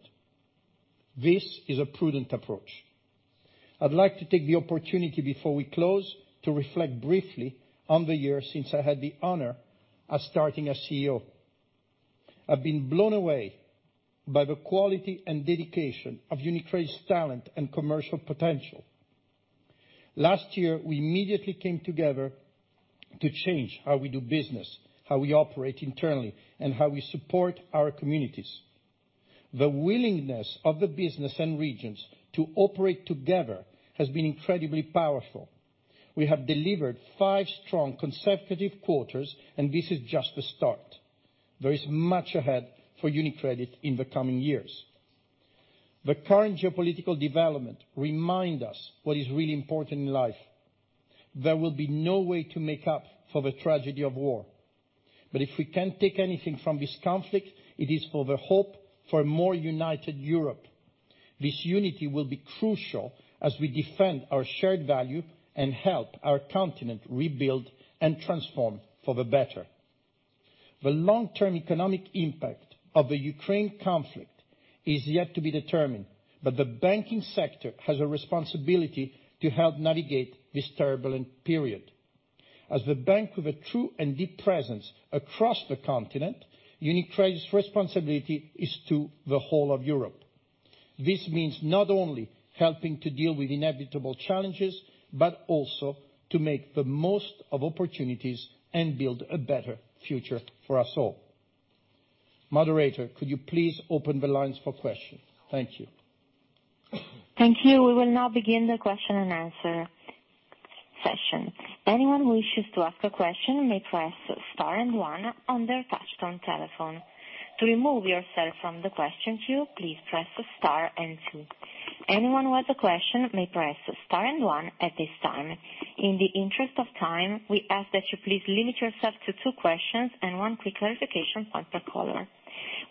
This is a prudent approach. I'd like to take the opportunity before we close to reflect briefly on the years since I had the honor of starting as CEO. I've been blown away by the quality and dedication of UniCredit's talent and commercial potential. Last year, we immediately came together to change how we do business, how we operate internally, and how we support our communities. The willingness of the business and regions to operate together has been incredibly powerful. We have delivered five strong consecutive quarters, and this is just the start. There is much ahead for UniCredit in the coming years. The current geopolitical developments remind us what is really important in life. There will be no way to make up for the tragedy of war. If we can take anything from this conflict, it is the hope for a more united Europe. This unity will be crucial as we defend our shared value and help our continent rebuild and transform for the better. The long-term economic impact of the Ukraine conflict is yet to be determined, but the banking sector has a responsibility to help navigate this turbulent period. As the bank with a true and deep presence across the continent, UniCredit's responsibility is to the whole of Europe. This means not only helping to deal with inevitable challenges, but also to make the most of opportunities and build a better future for us all. Moderator, could you please open the lines for questions? Thank you. Thank you. We will now begin the question-and-answer session. Anyone who wishes to ask a question may press star and one on their touch-tone telephone. To remove yourself from the question queue, please press star and two. Anyone who has a question may press star and one at this time. In the interest of time, we ask that you please limit yourself to two questions and one quick clarification point per caller.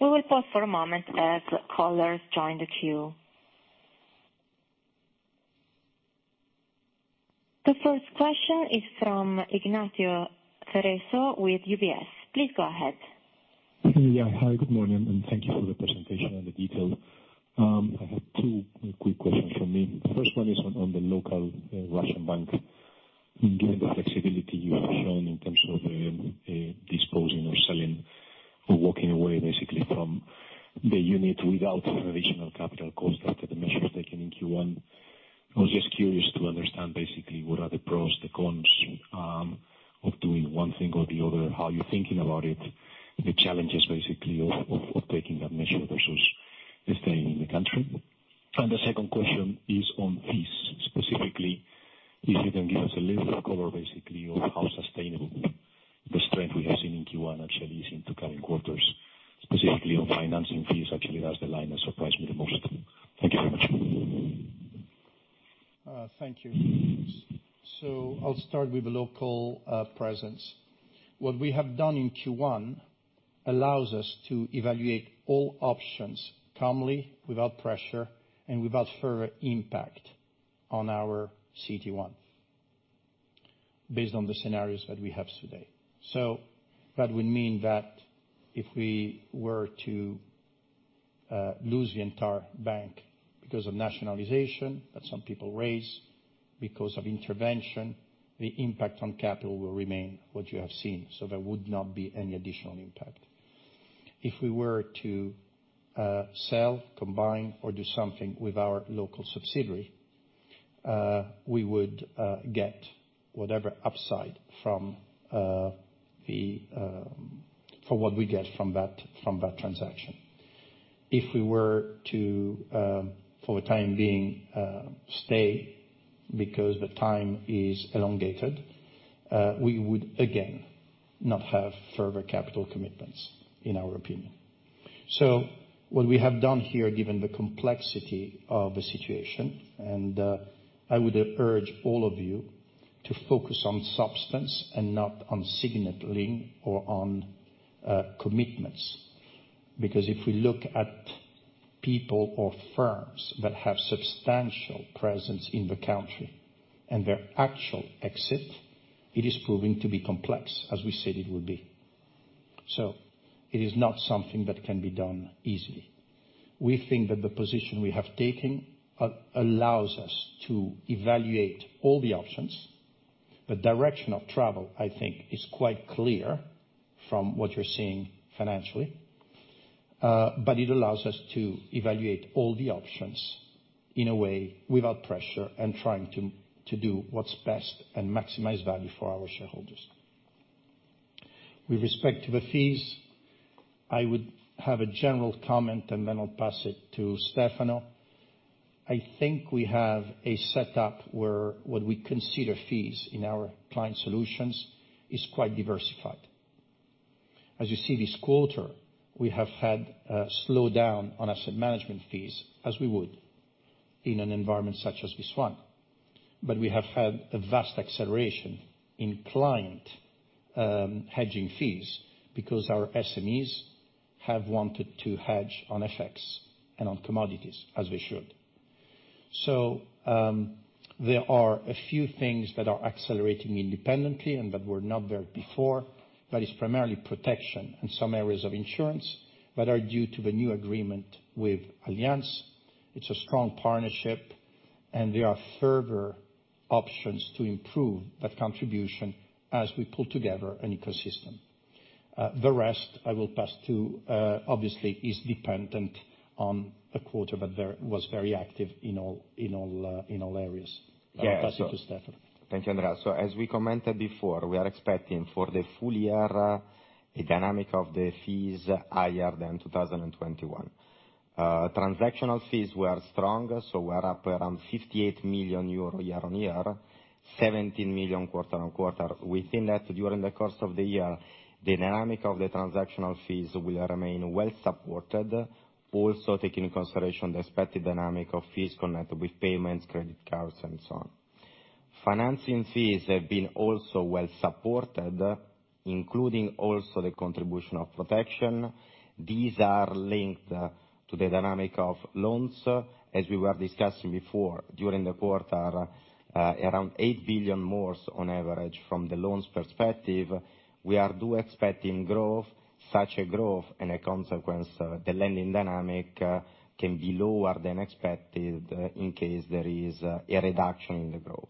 We will pause for a moment as callers join the queue. The first question is from Ignacio Cerezo with UBS. Please go ahead. Yeah. Hi, good morning, and thank you for the presentation and the detail. I have two quick questions from me. The first one is on the local Russian bank. Given the flexibility you have shown in terms of disposing or selling or walking away basically from the unit without additional capital costs after the measures taken in Q1, I was just curious to understand basically what are the pros, the cons, of doing one thing or the other, how you're thinking about it, the challenges basically of taking that measure versus staying in the country. The second question is on fees, specifically, if you can give us a little color basically on how sustainable the strength we have seen in Q1 actually is into current quarters, specifically on financing fees. Actually, that's the line that surprised me the most. Thank you very much. Thank you. I'll start with the local presence. What we have done in Q1 allows us to evaluate all options calmly, without pressure, and without further impact on our CET1, based on the scenarios that we have today. That would mean that if we were to lose the entire bank because of nationalization, that some people raise, because of intervention, the impact on capital will remain what you have seen, so there would not be any additional impact. If we were to sell, combine, or do something with our local subsidiary, we would get whatever upside from what we get from that transaction. If we were to, for the time being, stay because the time is elongated, we would again not have further capital commitments, in our opinion. What we have done here, given the complexity of the situation, and I would urge all of you to focus on substance and not on signaling or on commitments. Because if we look at people or firms that have substantial presence in the country and their actual exit, it is proving to be complex, as we said it would be. It is not something that can be done easily. We think that the position we have taken allows us to evaluate all the options. The direction of travel, I think, is quite clear from what you're seeing financially, but it allows us to evaluate all the options in a way without pressure and trying to do what's best and maximize value for our shareholders. With respect to the fees, I would have a general comment, and then I'll pass it to Stefano. I think we have a setup where what we consider fees in our client solutions is quite diversified. As you see this quarter, we have had a slowdown on asset management fees as we would in an environment such as this one. We have had a vast acceleration in client hedging fees because our SMEs have wanted to hedge on FX and on commodities, as they should. There are a few things that are accelerating independently and that were not there before, that is primarily protection in some areas of insurance that are due to the new agreement with Allianz. It's a strong partnership, and there are further options to improve that contribution as we pull together an ecosystem. The rest I will pass to, obviously, is dependent on the quarter, but there was very active in all areas. Yeah. I'll pass it to Stefano. Thank you, Andrea. As we commented before, we are expecting for the full year a dynamic of the fees higher than 2021. Transactional fees were strong, so we're up around 58 million euro year-on-year, 17 million quarter-on-quarter. Within that, during the course of the year, the dynamic of the transactional fees will remain well supported, also taking in consideration the expected dynamic of fees connected with payments, credit cards and so on. Financing fees have been also well supported, including also the contribution of protection. These are linked to the dynamic of loans. As we were discussing before, during the quarter, around 8 billion more on average from the loans perspective, we are expecting growth. Such a growth, as a consequence, the lending dynamic can be lower than expected, in case there is a reduction in the growth.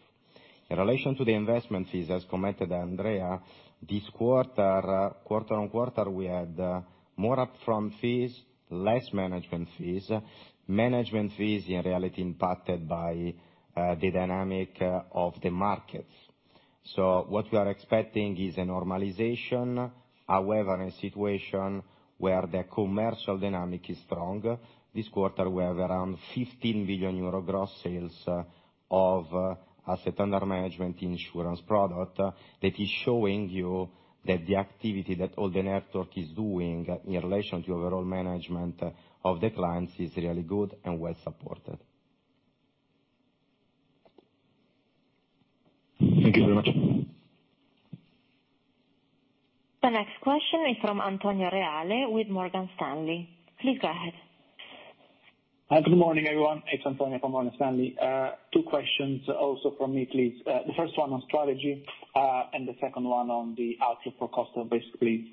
In relation to the investment fees, as commented Andrea, this quarter-on-quarter, we had more upfront fees, less management fees. Management fees in reality impacted by the dynamic of the markets. What we are expecting is a normalization. However, in a situation where the commercial dynamic is strong, this quarter we have around 15 billion euro gross sales of asset under management insurance product. That is showing you that the activity that all the network is doing in relation to overall management of the clients is really good and well supported. Thank you very much. The next question is from Antonio Reale with Morgan Stanley. Please go ahead. Hi, good morning, everyone. It's Antonio from Morgan Stanley. Two questions also from me, please. The first one on strategy, and the second one on the outlook for costs, basically.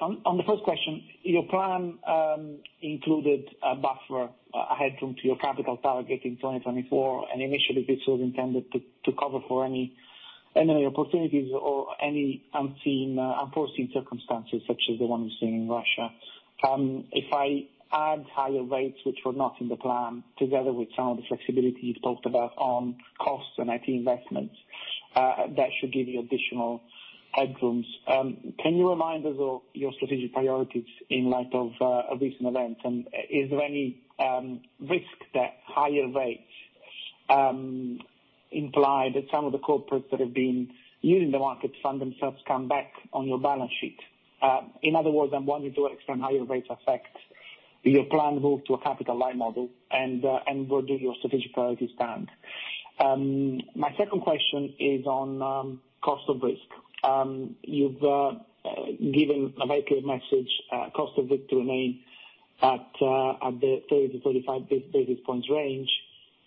On the first question, your plan included a buffer, a headroom to your capital target in 2024, and initially this was intended to cover for any opportunities or any unseen, unforeseen circumstances, such as the one we've seen in Russia. If I add higher rates, which were not in the plan, together with some of the flexibility you talked about on costs and IT investments, that should give you additional headrooms. Can you remind us of your strategic priorities in light of recent events? Is there any risk that higher rates imply that some of the corporates that have been using the markets fund themselves come back on your balance sheet? In other words, I'm wondering to what extent higher rates affect your planned move to a capital light model and where do your strategic priorities stand? My second question is on cost of risk. You've given a very clear message, cost of risk to remain at the 30-35 basis points range.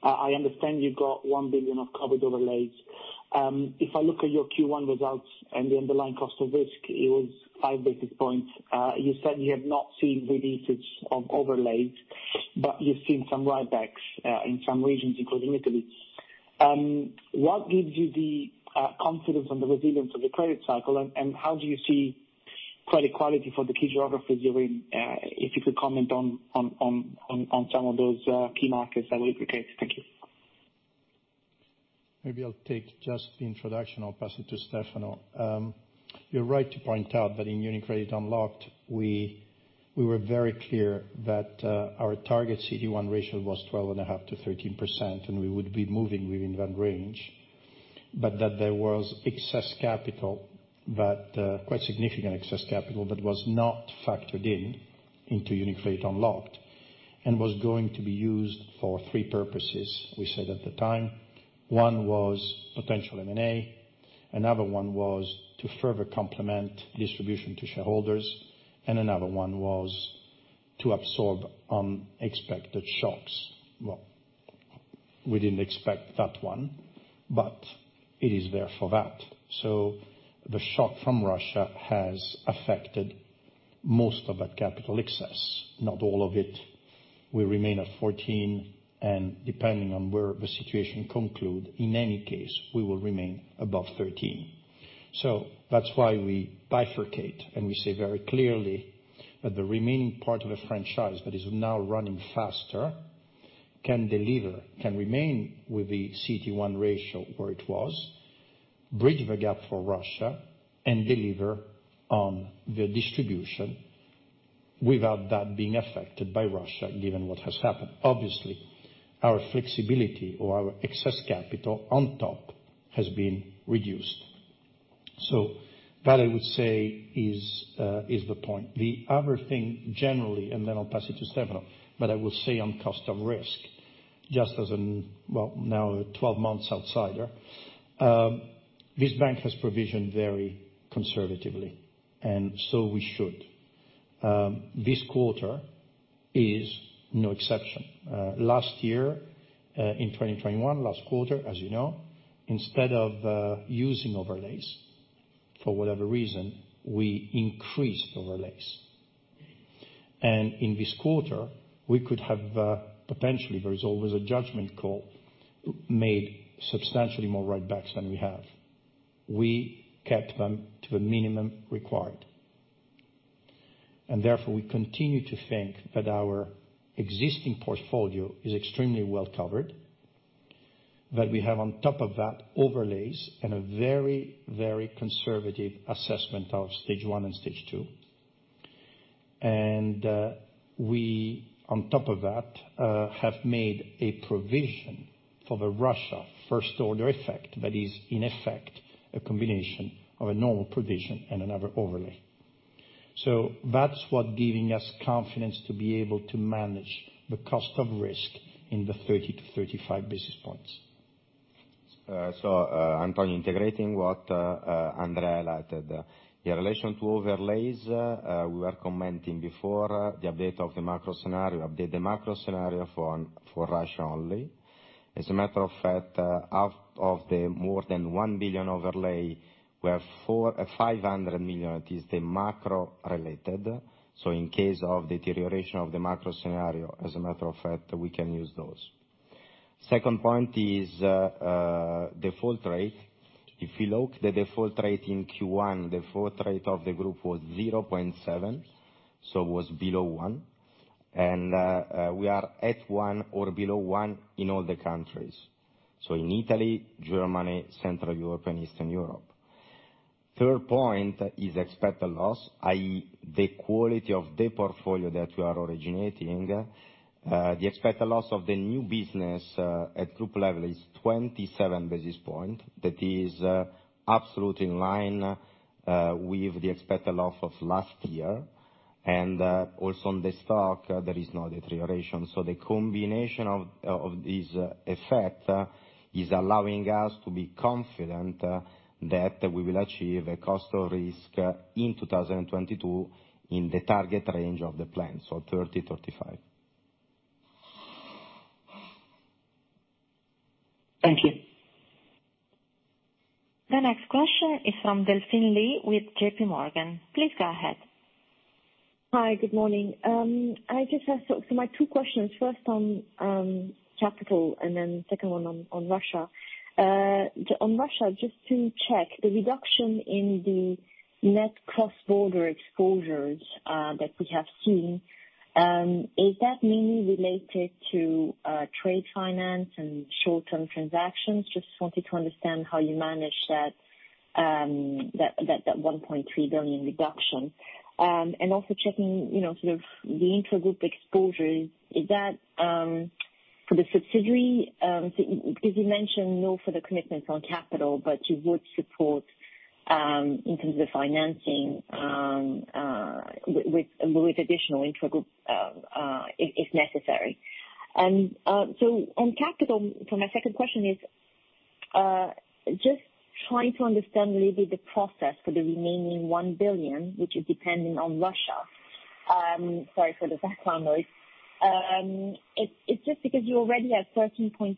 I understand you've got 1 billion of COVID overlays. If I look at your Q1 results and the underlying cost of risk, it was 5 basis points. You said you have not seen releases of overlays, but you've seen some write backs in some regions, including Italy. What gives you the confidence on the resilience of the credit cycle and how do you see credit quality for the key geographies you're in? If you could comment on some of those key markets that will be great. Thank you. Maybe I'll take just the introduction. I'll pass it to Stefano. You're right to point out that in UniCredit Unlocked, we were very clear that our target CET1 ratio was 12.5%-13%, and we would be moving within that range. That there was excess capital that quite significant excess capital that was not factored into UniCredit Unlocked, and was going to be used for three purposes we said at the time. One was potential M&A, another one was to further complement distribution to shareholders, and another one was to absorb unexpected shocks. Well, we didn't expect that one, but it is there for that. The shock from Russia has affected most of that capital excess, not all of it. We remain at 14%, and depending on where the situation concludes, in any case, we will remain above 13%. That's why we bifurcate and we say very clearly that the remaining part of the franchise that is now running faster can deliver, can remain with the CET1 ratio where it was, bridge the gap for Russia and deliver on the distribution without that being affected by Russia, given what has happened. Obviously, our flexibility or our excess capital on top has been reduced. That I would say is the point. The other thing generally, and then I'll pass it to Stefano, but I will say on cost of risk, just as an, well, now a 12-month outsider, this bank has provisioned very conservatively, and so we should. This quarter is no exception. Last year, in 2021 last quarter, as you know, instead of using overlays for whatever reason, we increased overlays. In this quarter, we could have potentially, there is always a judgment call made substantially more right backs than we have. We kept them to the minimum required. Therefore, we continue to think that our existing portfolio is extremely well covered, that we have on top of that overlays and a very, very conservative assessment of Stage 1 and Stage 2. We on top of that have made a provision for the Russia first order effect that is in effect a combination of a normal provision and another overlay. That's what giving us confidence to be able to manage the cost of risk in the 30-35 basis points. Antonio integrating what Andrea highlighted. In relation to overlays, we were commenting before the update of the macro scenario for Russia only. As a matter of fact, out of the more than 1 billion overlay, we have 400 million-500 million it is the macro related. In case of deterioration of the macro scenario, as a matter of fact, we can use those. Second point is default rate. If you look at the default rate in Q1, default rate of the group was 0.7%, so it was below 1%. We are at 1% or below 1% in all the countries. In Italy, Germany, Central Europe and Eastern Europe. Third point is expected loss, i.e., the quality of the portfolio that we are originating. The expected loss of the new business at group level is 27 basis point. That is absolutely in line with the expected loss of last year. Also on the stock there is no deterioration. The combination of this effect is allowing us to be confident that we will achieve a cost of risk in 2022 in the target range of the plan, so 30-35 basis points. Thank you. The next question is from Delphine Lee with JPMorgan. Please go ahead. Hi, good morning. I just have my two questions, first on capital and then second one on Russia. On Russia, just to check the reduction in the net cross-border exposures that we have seen, is that mainly related to trade finance and short-term transactions? Just wanted to understand how you manage that 1.3 billion reduction. And also checking, you know, sort of the intragroup exposures. For the subsidiary, as you mentioned, no further commitments on capital, but you would support in terms of financing with additional intragroup if necessary. On capital, my second question is just trying to understand a little bit the process for the remaining 1 billion, which is dependent on Russia. Sorry for the background noise. It's just because you're already at 13.6%,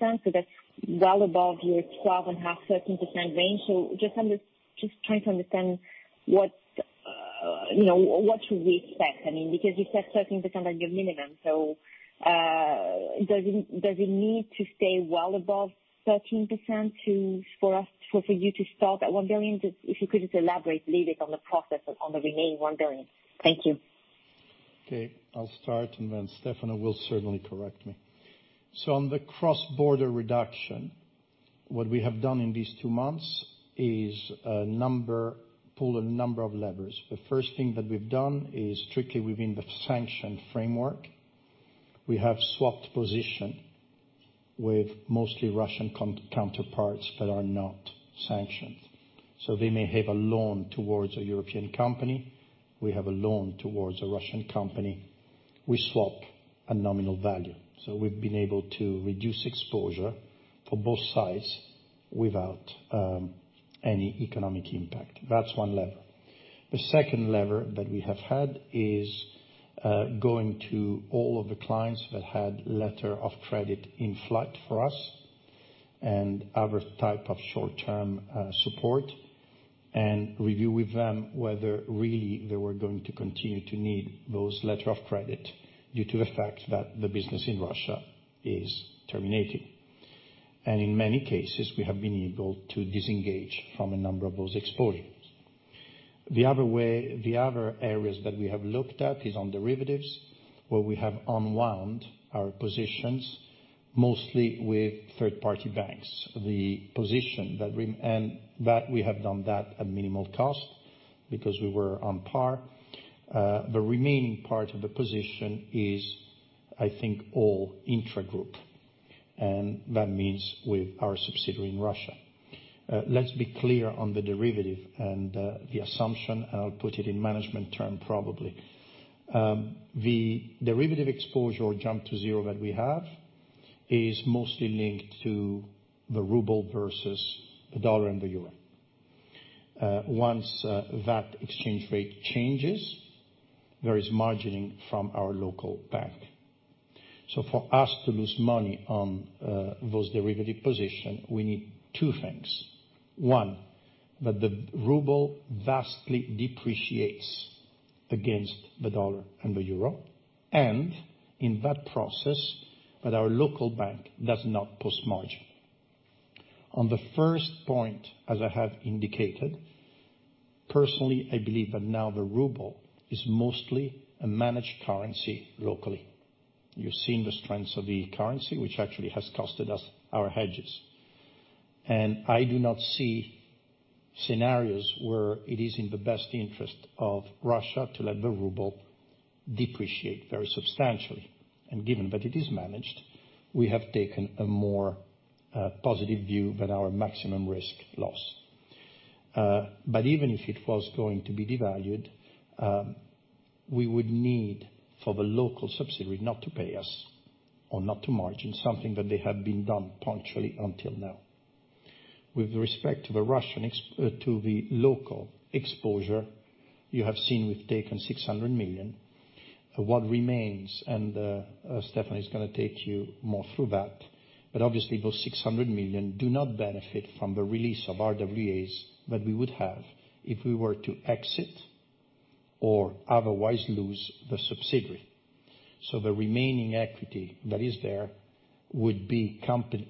so that's well above your 12.5%-13% range. Trying to understand what, you know, what should we expect, I mean, because you said 13% on your minimum. Does it need to stay well above 13% to for you to start that 1 billion? If you could just elaborate a little bit on the process on the remaining 1 billion. Thank you. Okay, I'll start, and then Stefano will certainly correct me. On the cross-border reduction, what we have done in these two months is a number of levers. The first thing that we've done is strictly within the sanction framework. We have swapped position with mostly Russian counterparts that are not sanctioned. They may have a loan towards a European company, we have a loan towards a Russian company. We swap a nominal value. We've been able to reduce exposure for both sides without any economic impact. That's one lever. The second lever that we have had is going to all of the clients that had letter of credit in flight for us and other type of short-term support, and review with them whether really they were going to continue to need those letter of credit due to the fact that the business in Russia is terminated. In many cases, we have been able to disengage from a number of those exposures. The other way, the other areas that we have looked at is on derivatives, where we have unwound our positions, mostly with third-party banks. The position that we have done that at minimal cost because we were on par. The remaining part of the position is, I think, all intragroup, and that means with our subsidiary in Russia. Let's be clear on the derivative and the assumption, and I'll put it in management term probably. The derivative exposure jump to zero that we have is mostly linked to the ruble versus the dollar and the euro. Once that exchange rate changes, there is margining from our local bank. For us to lose money on those derivative position, we need two things. One, that the ruble vastly depreciates against the dollar and the euro, and in that process that our local bank does not post margin. On the first point, as I have indicated, personally, I believe that now the ruble is mostly a managed currency locally. You're seeing the strengths of the currency, which actually has cost us our hedges. I do not see scenarios where it is in the best interest of Russia to let the ruble depreciate very substantially. Given that it is managed, we have taken a more positive view than our maximum risk loss. But even if it was going to be devalued, we would need for the local subsidiary not to pay us or not to margin something that they have been doing punctually until now. With respect to the local exposure, you have seen we've taken 600 million. What remains, Stefano is gonna take you more through that, but obviously those 600 million do not benefit from the release of RWAs that we would have if we were to exit or otherwise lose the subsidiary. The remaining equity that is there would be compensated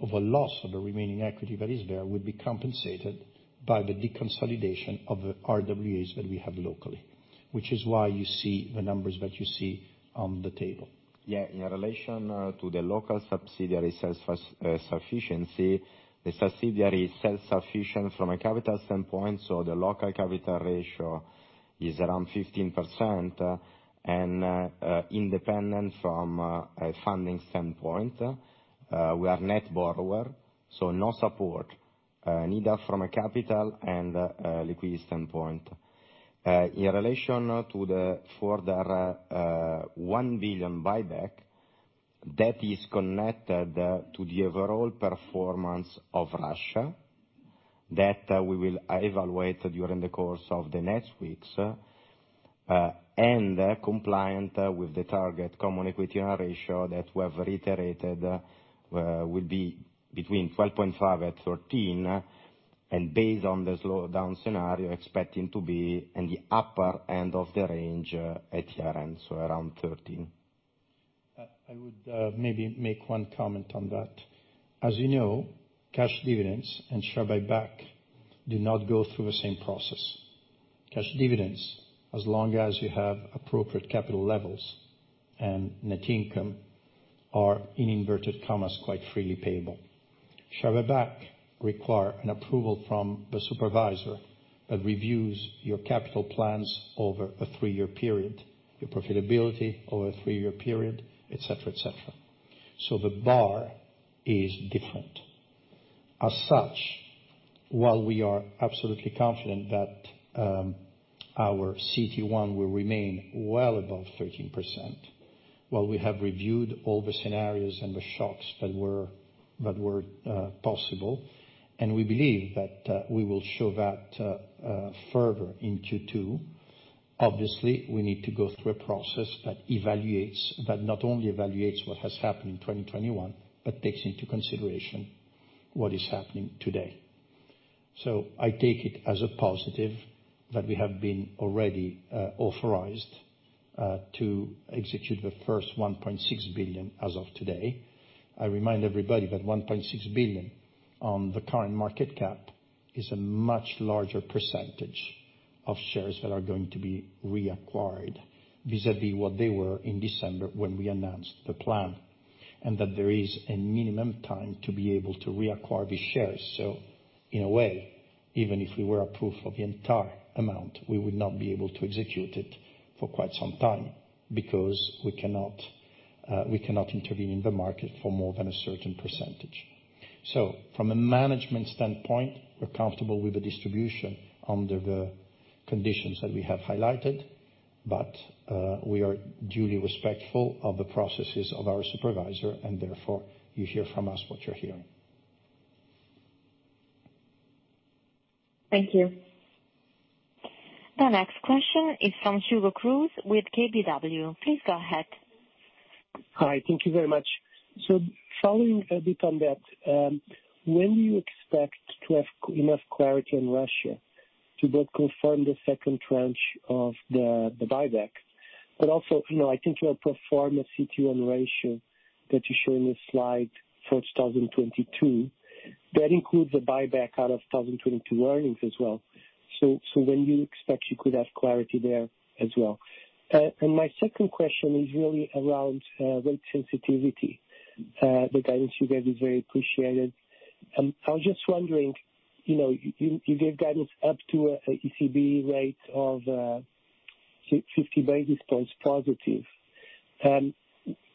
by the deconsolidation of the RWAs that we have locally, which is why you see the numbers that you see on the table. Yeah. In relation to the local subsidiary sufficiency, the subsidiary is self-sufficient from a capital standpoint, so the local capital ratio is around 15%, and independent from a funding standpoint. We are net borrower, so no support, neither from a capital and a liquidity standpoint. In relation to the further 1 billion buyback, that is connected to the overall performance of Russia that we will evaluate during the course of the next weeks, and compliant with the target common equity ratio that we have reiterated, will be between 12.5% and 13%. Based on the slowdown scenario, expecting to be in the upper end of the range at year-end, so around 13%. I would maybe make one comment on that. As you know, cash dividends and share buyback do not go through the same process. Cash dividends, as long as you have appropriate capital levels and net income, are in inverted commas, quite freely payable. Share buyback require an approval from the supervisor that reviews your capital plans over a three-year period, your profitability over a three-year period, et cetera, et cetera. The bar is different. As such, while we are absolutely confident that our CET1 will remain well above 13%, while we have reviewed all the scenarios and the shocks that were possible, and we believe that we will show that further in Q2, obviously we need to go through a process that evaluates. That not only evaluates what has happened in 2021, but takes into consideration what is happening today. I take it as a positive that we have been already authorized to execute the first 1.6 billion as of today. I remind everybody that 1.6 billion on the current market cap is a much larger percentage of shares that are going to be reacquired vis-à-vis what they were in December when we announced the plan, and that there is a minimum time to be able to reacquire these shares. In a way, even if we were approved for the entire amount, we would not be able to execute it for quite some time because we cannot intervene in the market for more than a certain percentage. From a management standpoint, we're comfortable with the distribution under the conditions that we have highlighted, but, we are duly respectful of the processes of our supervisor and therefore you hear from us what you're hearing. Thank you. The next question is from Hugo Cruz with KBW. Please go ahead. Hi. Thank you very much. Following a bit on that, when do you expect to have enough clarity in Russia to both confirm the second tranche of the buyback, but also, you know, I think your pro forma CET1 ratio that you show in the slide for 2022, that includes the buyback out of 2022 earnings as well. When do you expect you could have clarity there as well? My second question is really around rate sensitivity. The guidance you gave is very appreciated. I was just wondering, you know, you gave guidance up to a ECB rate of 50 basis points positive.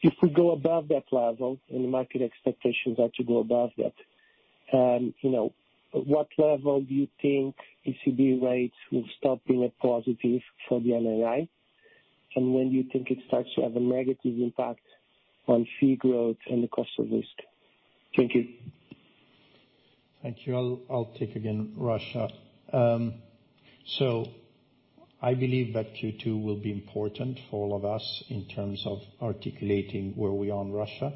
If we go above that level, and the market expectations are to go above that, you know, what level do you think ECB rates will stop being a positive for the NII? And when do you think it starts to have a negative impact on fee growth and the cost of risk? Thank you. Thank you. I'll take again, Russia. So I believe that Q2 will be important for all of us in terms of articulating where we are in Russia.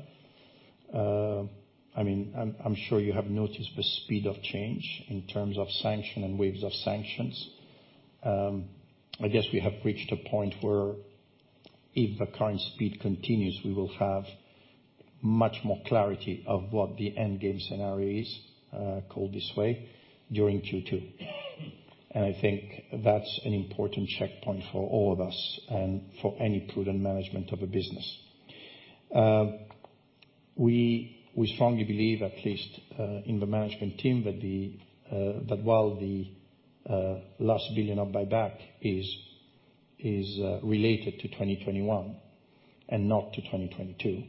I mean, I'm sure you have noticed the speed of change in terms of sanction and waves of sanctions. I guess we have reached a point where if the current speed continues, we will have much more clarity of what the end game scenario is, called this way during Q2. I think that's an important checkpoint for all of us and for any prudent management of a business. We strongly believe, at least, in the management team, that while the last billion of buyback is related to 2021 and not to 2022,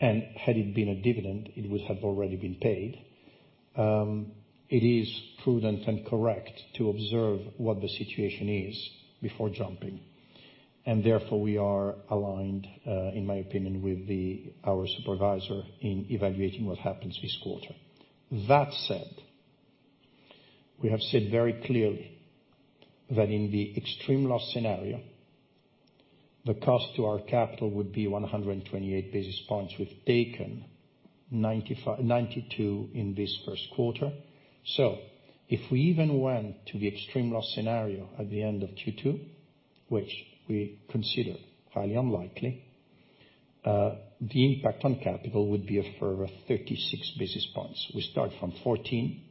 and had it been a dividend, it would have already been paid, it is prudent and correct to observe what the situation is before jumping. Therefore, we are aligned, in my opinion, with our supervisor in evaluating what happens this quarter. That said, we have said very clearly that in the extreme loss scenario, the cost to our capital would be 128 basis points. We've taken 92 in this first quarter. If we even went to the extreme loss scenario at the end of Q2, which we consider highly unlikely, the impact on capital would be a further 36 basis points. We start from 14.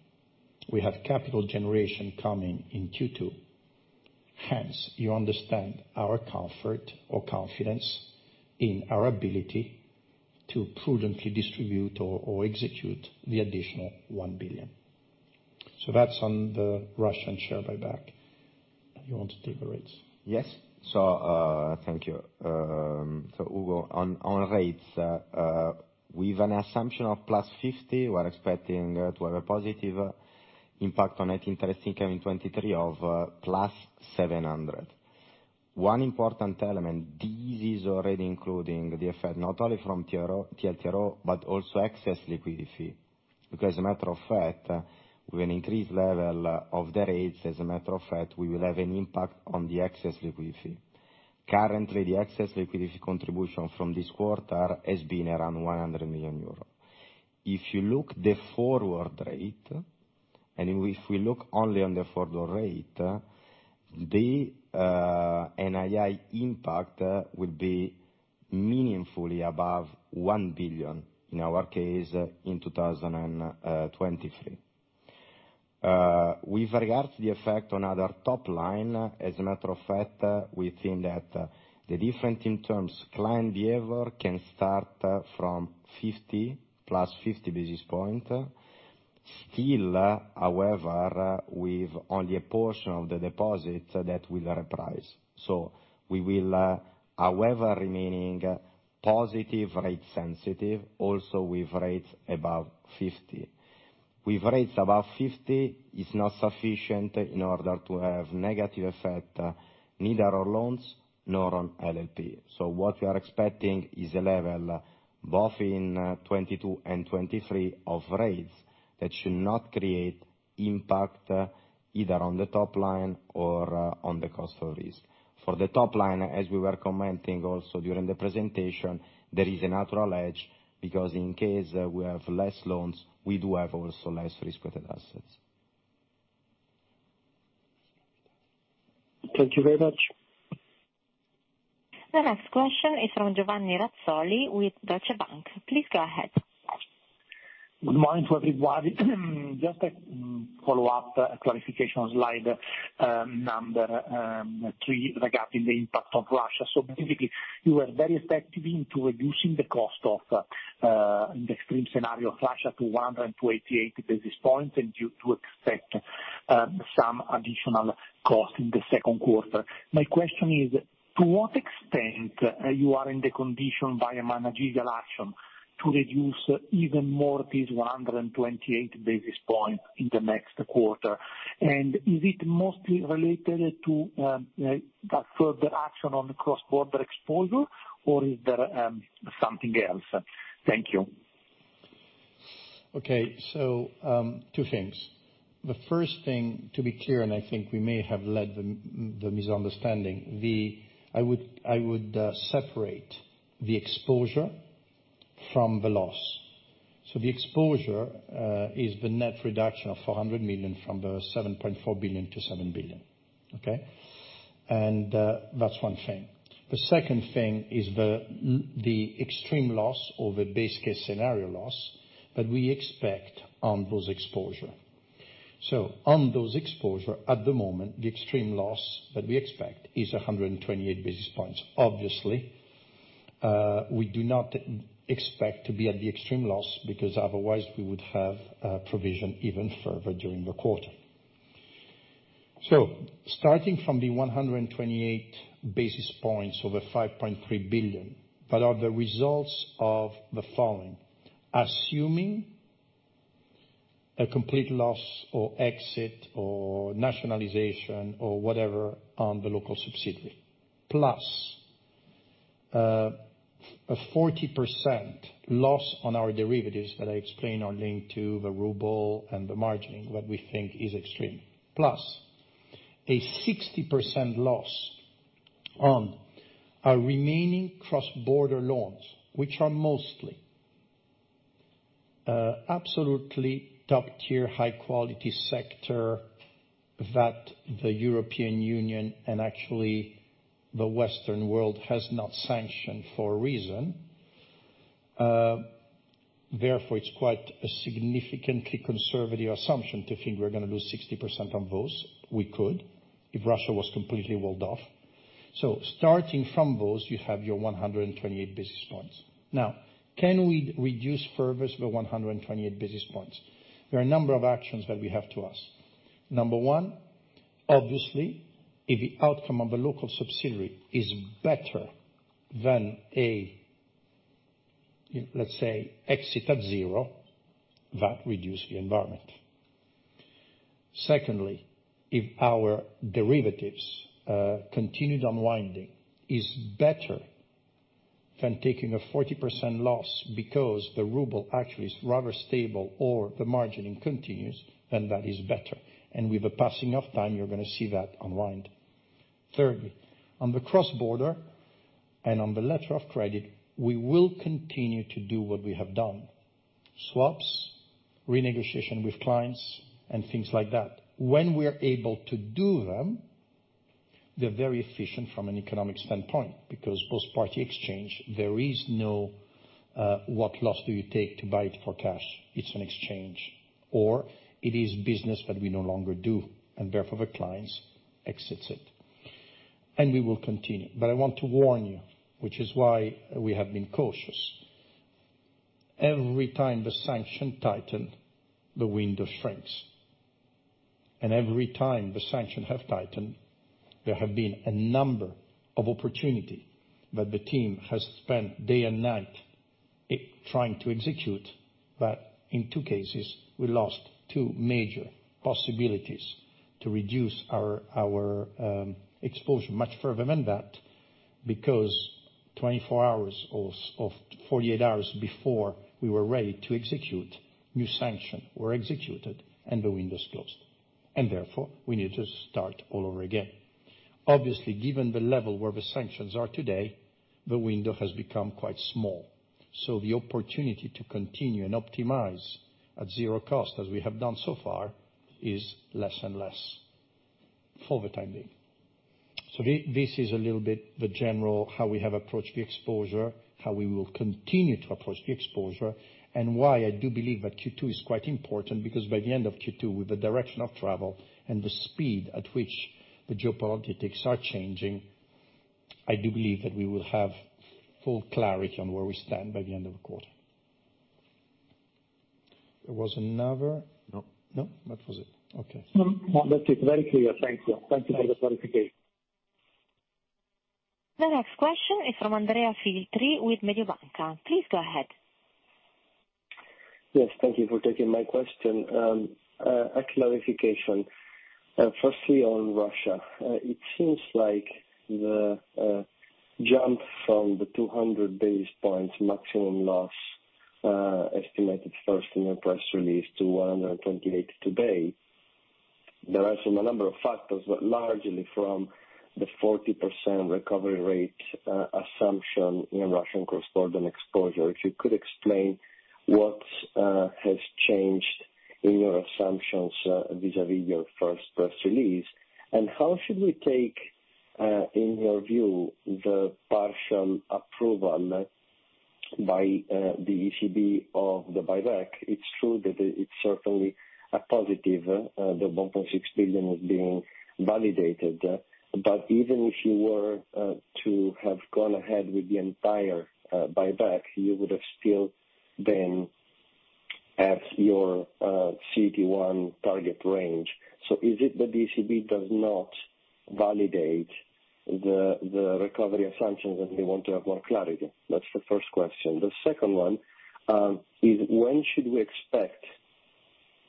We have capital generation coming in Q2. Hence, you understand our comfort or confidence in our ability to prudently distribute or execute the additional 1 billion. That's on the Russian share buyback. You want to take the rates? Yes. Thank you. Hugo, on rates, with an assumption of +50 basis points, we're expecting to have a positive impact on net interest income in 2023 of +700 million. One important element, this is already including the effect not only from TLTRO, but also excess liquidity fee, because as a matter of fact, with an increased level of the rates, as a matter of fact, we will have an impact on the excess liquidity. Currently, the excess liquidity contribution from this quarter has been around 100 million euros. If you look at the forward rate, and if we look only at the forward rate, the NII impact will be meaningfully above 1 billion in our case in 2023. With regards to the effect on our top line, as a matter of fact, we think that the difference in terms of client behavior can start from 50, +50 basis points. Still, however, with only a portion of the deposits that will reprice. We will, however, remain positive rate sensitive also with rates above 50. With rates above 50, it's not sufficient in order to have negative effect neither on loans nor on LLP. What we are expecting is a level, both in 2022 and 2023, of rates that should not create impact either on the top line or on the cost of risk. For the top line, as we were commenting also during the presentation, there is a natural hedge, because in case we have less loans, we do have also less risk-weighted assets. Thank you very much. The next question is from Giovanni Razzoli with Deutsche Bank. Please go ahead. Good morning to everybody. Just a follow-up clarification on slide number three, regarding the impact of Russia. Basically, you were very effective in reducing the cost in the extreme scenario of Russia to 128 basis points and you do expect some additional cost in the second quarter. My question is: To what extent are you in the condition by a managerial action to reduce even more this 128 basis points in the next quarter? And is it mostly related to that further action on the cross-border exposure, or is there something else? Thank you. Okay. Two things. The first thing, to be clear, and I think we may have led the misunderstanding. I would separate the exposure from the loss. The exposure is the net reduction of 400 million from the 7.4 billion-7 billion. Okay? That's one thing. The second thing is the extreme loss or the base case scenario loss that we expect on those exposure. On those exposure, at the moment, the extreme loss that we expect is 128 basis points. Obviously, we do not expect to be at the extreme loss because otherwise we would have provision even further during the quarter. Starting from the 128 basis points, or the 5.3 billion, that are the results of the following: assuming a complete loss or exit or nationalization or whatever on the local subsidiary, plus, a 40% loss on our derivatives that I explained are linked to the ruble and the margining, what we think is extreme. Plus a 60% loss on our remaining cross-border loans, which are mostly, absolutely top-tier, high-quality sector that the European Union, and actually the Western world, has not sanctioned for a reason. Therefore, it's quite a significantly conservative assumption to think we're gonna lose 60% on those. We could, if Russia was completely walled off. Starting from those, you have your 128 basis points. Now, can we reduce further the 128 basis points? There are a number of actions that we have to use. Number one, obviously, if the outcome of a local subsidiary is better than a, let's say, exit at zero, that reduces the impairment. Secondly, if our derivatives continued unwinding is better than taking a 40% loss because the ruble actually is rather stable or the margining continues, then that is better. With the passing of time, you're gonna see that unwind. Thirdly, on the cross-border and on the letter of credit, we will continue to do what we have done, swaps, renegotiation with clients, and things like that. When we're able to do them, they're very efficient from an economic standpoint, because both parties exchange, there is no what loss do you take to buy it for cash? It's an exchange, or it is business that we no longer do, and therefore the clients exit it. We will continue. I want to warn you, which is why we have been cautious. Every time the sanctions tighten, the window shrinks. Every time the sanctions have tightened, there have been a number of opportunities that the team has spent day and night trying to execute, but in two cases, we lost two major possibilities to reduce our exposure much further than that, because 24 hours or 48 hours before we were ready to execute, new sanctions were executed and the windows closed. Therefore, we need to start all over again. Obviously, given the level where the sanctions are today, the window has become quite small. The opportunity to continue and optimize at zero cost, as we have done so far, is less and less. For the time being. This is a little bit the general how we have approached the exposure, how we will continue to approach the exposure, and why I do believe that Q2 is quite important, because by the end of Q2, with the direction of travel and the speed at which the geopolitics are changing, I do believe that we will have full clarity on where we stand by the end of the quarter. There was another. No. No? That was it. Okay. No, that is very clear. Thank you. Thank you for the clarification. The next question is from Andrea Filtri with Mediobanca. Please go ahead. Yes, thank you for taking my question. A clarification, firstly, on Russia. It seems like the jump from the 200 basis points maximum loss, estimated first in your press release to 128 today. There are some number of factors, but largely from the 40% recovery rate assumption in Russian cross-border exposure. If you could explain what has changed in your assumptions vis-à-vis your first press release. How should we take, in your view, the partial approval by the ECB of the buyback? It's true that it's certainly a positive, the 1.6 billion was being validated. But even if you were to have gone ahead with the entire buyback, you would have still been at your CET1 target range. Is it that ECB does not validate the recovery assumptions, and they want to have more clarity? That's the first question. The second one is when should we expect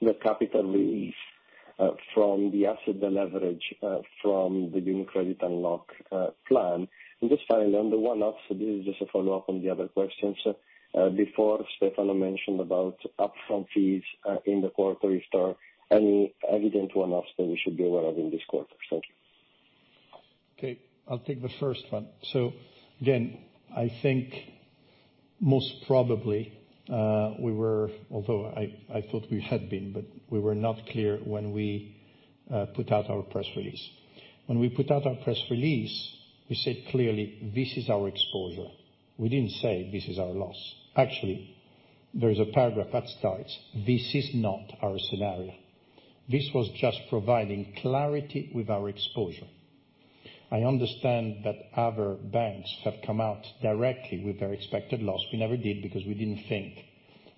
the capital relief from the asset deleverage from the UniCredit Unlocked plan? Just finally, on the one-offs, this is just a follow-up on the other questions. Before Stefano mentioned about upfront fees in the quarter restart. Any evident one-offs that we should be aware of in this quarter? Thank you. Okay, I'll take the first one. Again, I think most probably, although I thought we had been, but we were not clear when we put out our press release. When we put out our press release, we said, clearly, "This is our exposure." We didn't say, "This is our loss." Actually, there is a paragraph that starts, "This is not our scenario." This was just providing clarity with our exposure. I understand that other banks have come out directly with their expected loss. We never did, because we didn't think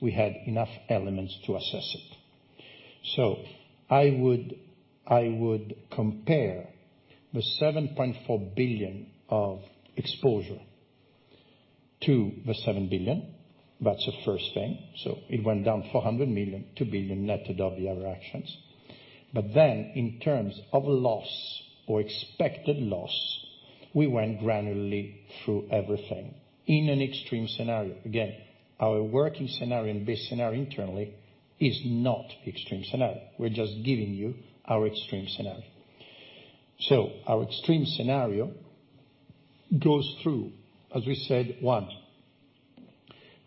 we had enough elements to assess it. I would compare the 7.4 billion of exposure to the 7 billion. That's the first thing. It went down 400 million, 2 billion net of the other actions. In terms of loss or expected loss, we went granularly through everything in an extreme scenario. Again, our working scenario and base scenario internally is not extreme scenario. We're just giving you our extreme scenario. Our extreme scenario goes through, as we said, one,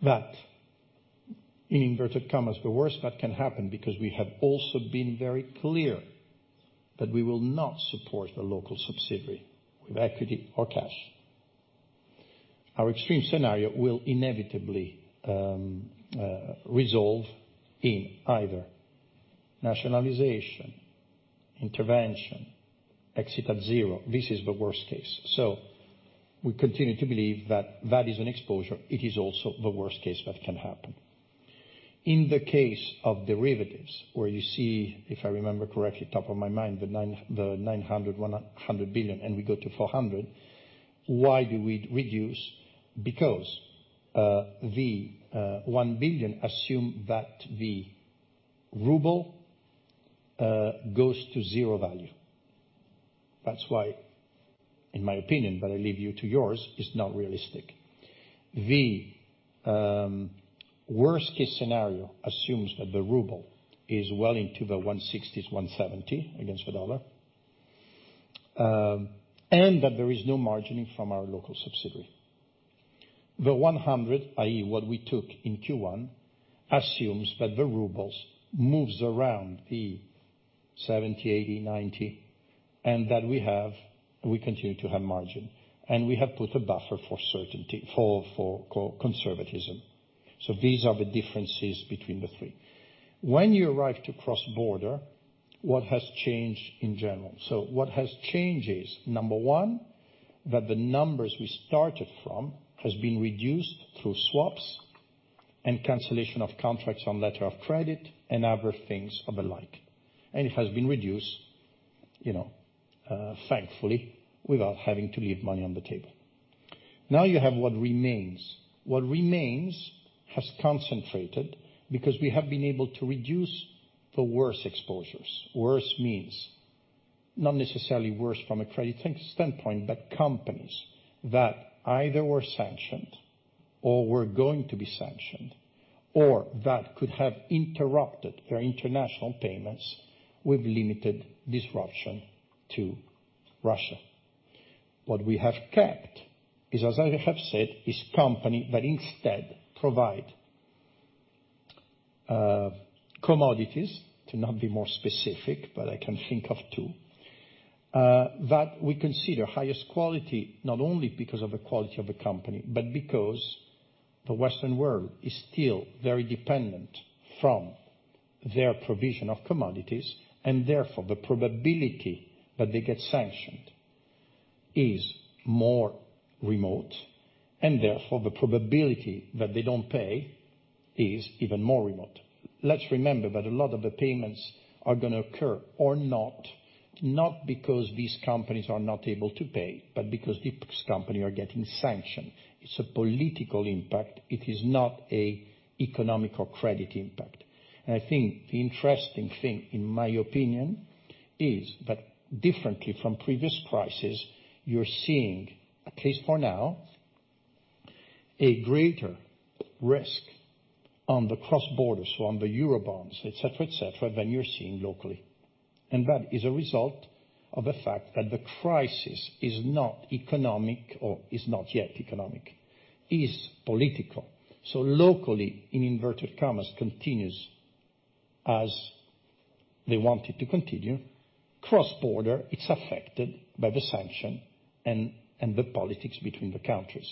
that in inverted commas, the worst that can happen, because we have also been very clear that we will not support the local subsidiary with equity or cash. Our extreme scenario will inevitably resolve in either nationalization, intervention, exit at zero. This is the worst case. We continue to believe that that is an exposure. It is also the worst case that can happen. In the case of derivatives, where you see, if I remember correctly, top of my mind, the 900 million, 100 million, and we go to 400 million. Why do we reduce? Because the 1 billion assumes that the ruble goes to zero value. That's why, in my opinion, but I leave you to yours, it's not realistic. The worst case scenario assumes that the ruble is well into the 160-170 against the dollar, and that there is no margining from our local subsidiary. The 100 million, i.e. what we took in Q1, assumes that the ruble moves around the 70, 80, 90, and that we continue to have margin, and we have put a buffer for certainty for conservatism. These are the differences between the three. When you arrive to cross-border, what has changed in general? What has changed is, number one, that the numbers we started from has been reduced through swaps and cancellation of contracts on letter of credit and other things of the like. It has been reduced, you know, thankfully, without having to leave money on the table. Now you have what remains. What remains has concentrated, because we have been able to reduce the worst exposures. Worse means not necessarily worse from a credit standpoint, but companies that either were sanctioned or were going to be sanctioned, or that could have interrupted their international payments with limited disruption to Russia. What we have kept is, as I have said, company that instead provide commodities, to not be more specific, but I can think of two that we consider highest quality, not only because of the quality of the company, but because the Western world is still very dependent from their provision of commodities, and therefore the probability that they get sanctioned is more remote, and therefore the probability that they don't pay is even more remote. Let's remember that a lot of the payments are gonna occur or not because these companies are not able to pay, but because these companies are getting sanctioned. It's a political impact, it is not an economic credit impact. I think the interesting thing, in my opinion, is that differently from previous crises, you're seeing, at least for now, a greater risk on the cross-border, so on the Euro bonds, et cetera, et cetera, than you're seeing locally. That is a result of the fact that the crisis is not economic or is not yet economic, is political. Locally, in inverted commas, continues as they want it to continue. Cross-border, it's affected by the sanction and the politics between the countries.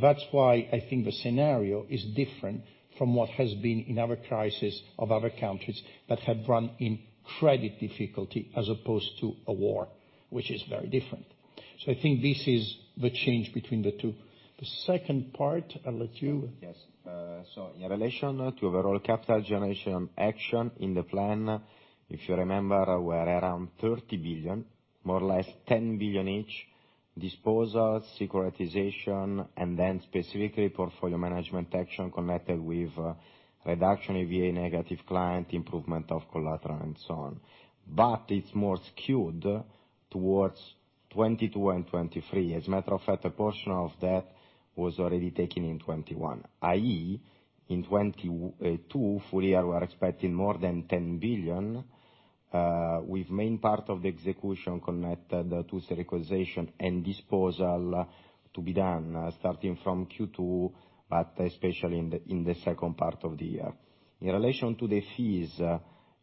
That's why I think the scenario is different from what has been in other crises of other countries that have run in credit difficulty as opposed to a war, which is very different. I think this is the change between the two. The second part, I'll let you. Yes. In relation to overall capital generation action in the plan, if you remember, we're around 30 billion, more or less 10 billion each, disposals, securitization, and then specifically portfolio management action connected with reduction AVA negative client, improvement of collateral, and so on. It's more skewed towards 2022 and 2023. As a matter of fact, a portion of that was already taken in 2021. i.e., in 2022 full year we're expecting more than 10 billion, with main part of the execution connected to securitization and disposal to be done starting from Q2, but especially in the second part of the year. In relation to the fees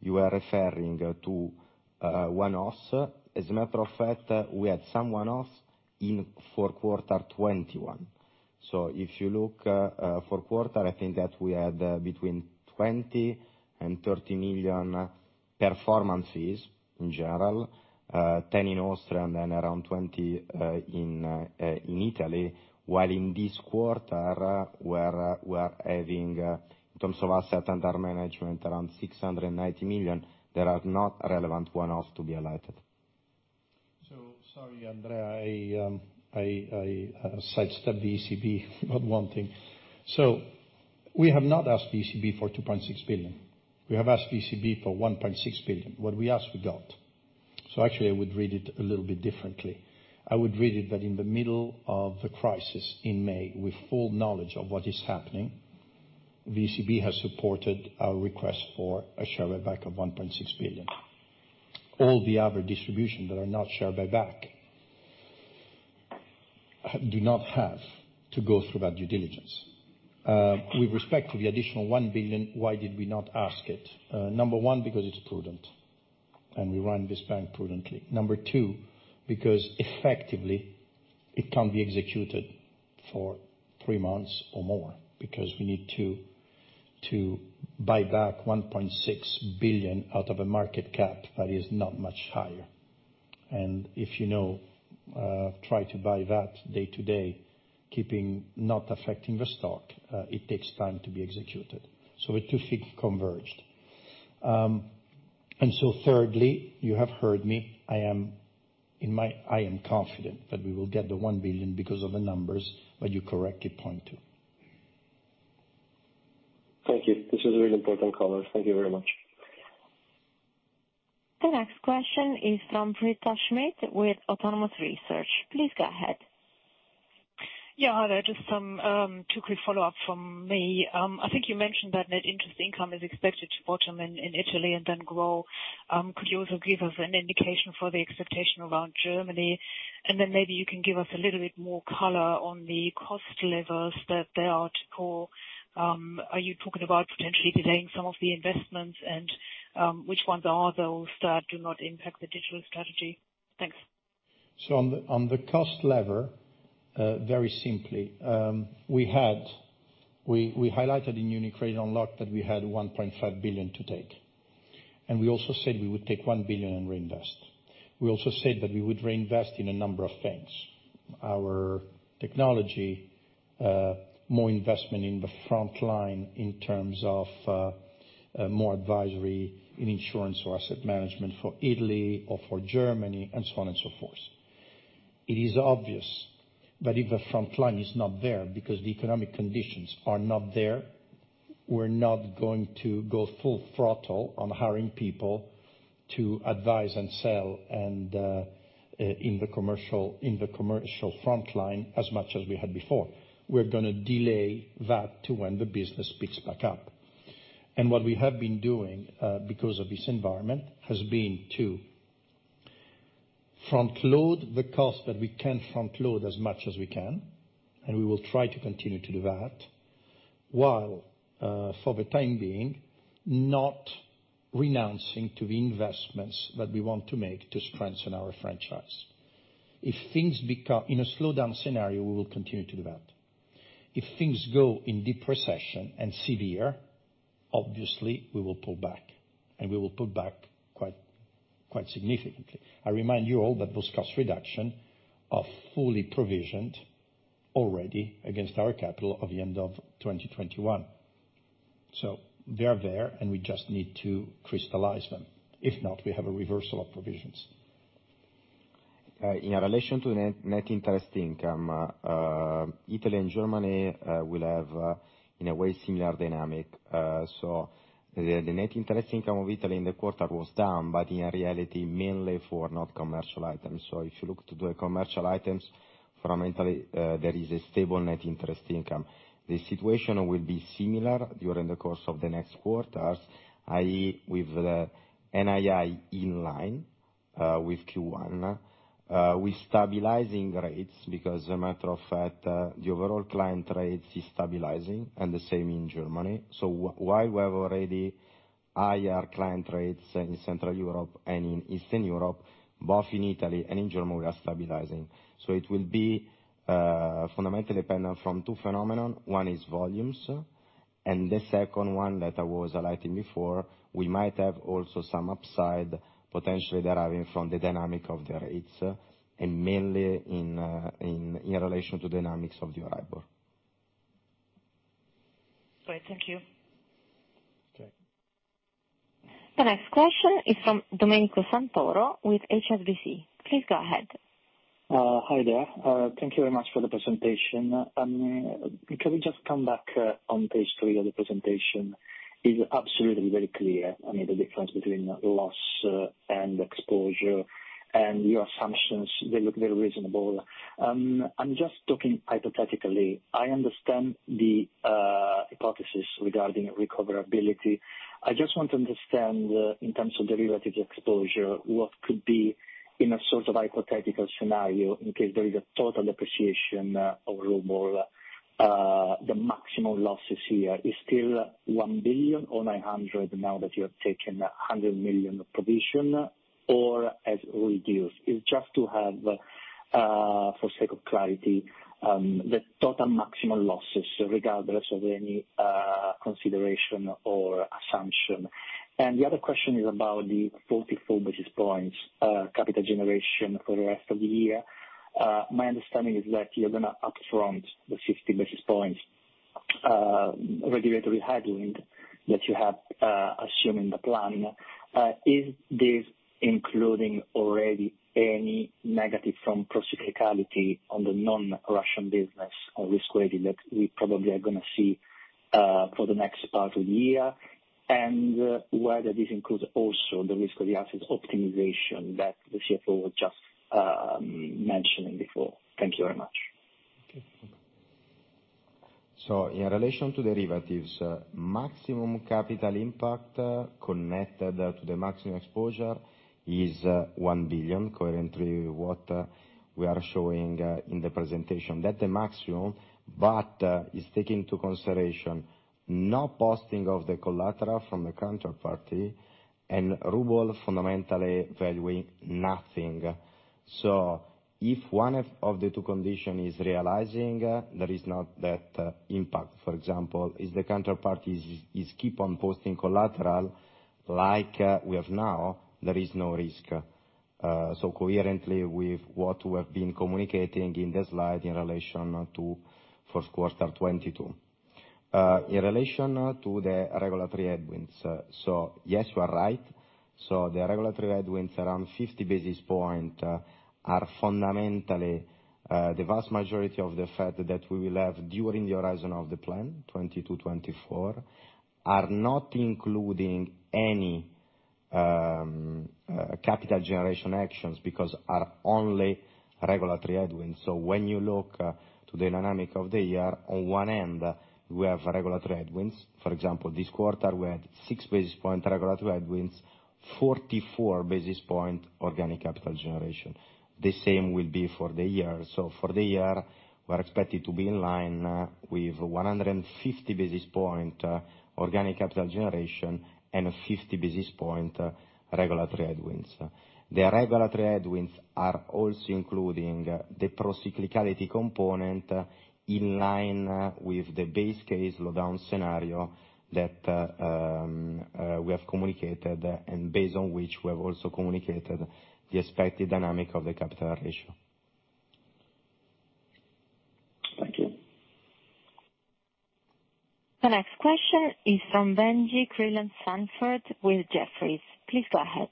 you are referring to, one-offs. As a matter of fact, we had some one-offs in Q1 2021. If you look for quarter, I think that we had between 20 million and 30 million performance fees in general, 10 million in Austria and then around 20 million in Italy. While in this quarter we're having in terms of assets under management, around 690 million that are not relevant one-offs to be highlighted. Sorry, Andrea, I sidestepped the ECB on one thing. We have not asked ECB for 2.6 billion. We have asked ECB for 1.6 billion. What we asked, we got. Actually I would read it a little bit differently. I would read it that in the middle of the crisis in May, with full knowledge of what is happening, ECB has supported our request for a share buyback of 1.6 billion. All the other distributions that are not share buyback do not have to go through that due diligence. With respect to the additional 1 billion, why did we not ask it? Number one, because it's prudent, and we run this bank prudently. Number two, because effectively it can't be executed for three months or more because we need to buy back 1.6 billion out of a market cap that is not much higher. If you know try to buy that day to day, keeping not affecting the stock, it takes time to be executed. The two things converged. Thirdly, you have heard me. I am confident that we will get the 1 billion because of the numbers that you correctly point to. Thank you. This is a really important call. Thank you very much. The next question is from Britta Schmidt with Autonomous Research. Please go ahead. Yeah. Hi there. Just some two quick follow-up from me. I think you mentioned that net interest income is expected to bottom in Italy and then grow. Could you also give us an indication for the expectation around Germany? Maybe you can give us a little bit more color on the cost levels that are to come. Are you talking about potentially delaying some of the investments? Which ones are those that do not impact the digital strategy? Thanks. On the cost lever, very simply, we highlighted in UniCredit Unlocked that we had 1.5 billion to take, and we also said we would take 1 billion and reinvest. We also said that we would reinvest in a number of things, our technology, more investment in the front line in terms of more advisory in insurance or asset management for Italy or for Germany, and so on and so forth. It is obvious that if the front line is not there because the economic conditions are not there, we're not going to go full throttle on hiring people to advise and sell and in the commercial front line as much as we had before. We're gonna delay that to when the business picks back up. What we have been doing, because of this environment, has been to. Front load the cost that we can front load as much as we can, and we will try to continue to do that, while, for the time being, not renouncing to the investments that we want to make to strengthen our franchise. In a slowdown scenario, we will continue to do that. If things go in deep recession and severe, obviously we will pull back, and we will pull back quite significantly. I remind you all that those cost reduction are fully provisioned already against our capital of the end of 2021. They are there, and we just need to crystallize them. If not, we have a reversal of provisions. In relation to net interest income, Italy and Germany will have, in a way, similar dynamic. The net interest income of Italy in the quarter was down, but in reality mainly for non-commercial items. If you look to the commercial items from Italy, there is a stable net interest income. The situation will be similar during the course of the next quarters, i.e., with the NII in line with Q1. We stabilizing rates because as a matter of fact, the overall client rates is stabilizing and the same in Germany. While we have already higher client rates in Central Europe and in Eastern Europe, both in Italy and in Germany, we are stabilizing. It will be fundamentally dependent from two phenomenon. One is volumes, and the second one that I was highlighting before, we might have also some upside potentially deriving from the dynamic of the rates and mainly in relation to dynamics of the EURIBOR. Great. Thank you. Okay. The next question is from Domenico Santoro with HSBC. Please go ahead. Hi there. Thank you very much for the presentation. Can we just come back on page three of the presentation? It's absolutely very clear, I mean the difference between loss and exposure and your assumptions, they look very reasonable. I'm just talking hypothetically, I understand the hypothesis regarding recoverability. I just want to understand in terms of derivative exposure, what could be in a sort of hypothetical scenario in case there is a total depreciation of ruble the maximum losses here. It's still 1 billion or 900 million now that you have taken 100 million provision or as we reduce? It's just to have for sake of clarity the total maximum losses regardless of any consideration or assumption. The other question is about the 44 basis points capital generation for the rest of the year. My understanding is that you're gonna upfront the 50 basis points regulatory headwind that you have assumed in the plan. Is this including already any negative from procyclicality on the non-Russian business or risk rating that we probably are gonna see for the next part of the year? Whether this includes also the risk of the assets optimization that the CFO was just mentioning before. Thank you very much. Okay. In relation to derivatives, maximum capital impact connected to the maximum exposure is 1 billion, coherently with what we are showing in the presentation. That the maximum is taking into consideration no posting of the collateral from the counterparty and ruble fundamentally valuing nothing. If one of the two conditions is realizing, there is not that impact. For example, if the counterparty is keep on posting collateral like we have now, there is no risk. Coherently with what we have been communicating in the slide in relation to first quarter 2022, in relation to the regulatory headwinds. Yes, you are right. The regulatory headwinds around 50 basis points are fundamentally the vast majority of the fact that we will have during the horizon of the plan, 2022-2024, are not including any capital generation actions because are only regulatory headwinds. When you look to the dynamic of the year, on one end we have regulatory headwinds. For example, this quarter we had 6 basis points regulatory headwinds, 44 basis points organic capital generation. The same will be for the year. For the year, we're expected to be in line with 150 basis points organic capital generation and 50 basis points regulatory headwinds. The regulatory headwinds are also including the procyclicality component in line with the base case slowdown scenario that we have communicated and based on which we have also communicated the expected dynamic of the capital ratio. Thank you. The next question is from Benjie Creelan-Sandford with Jefferies. Please go ahead.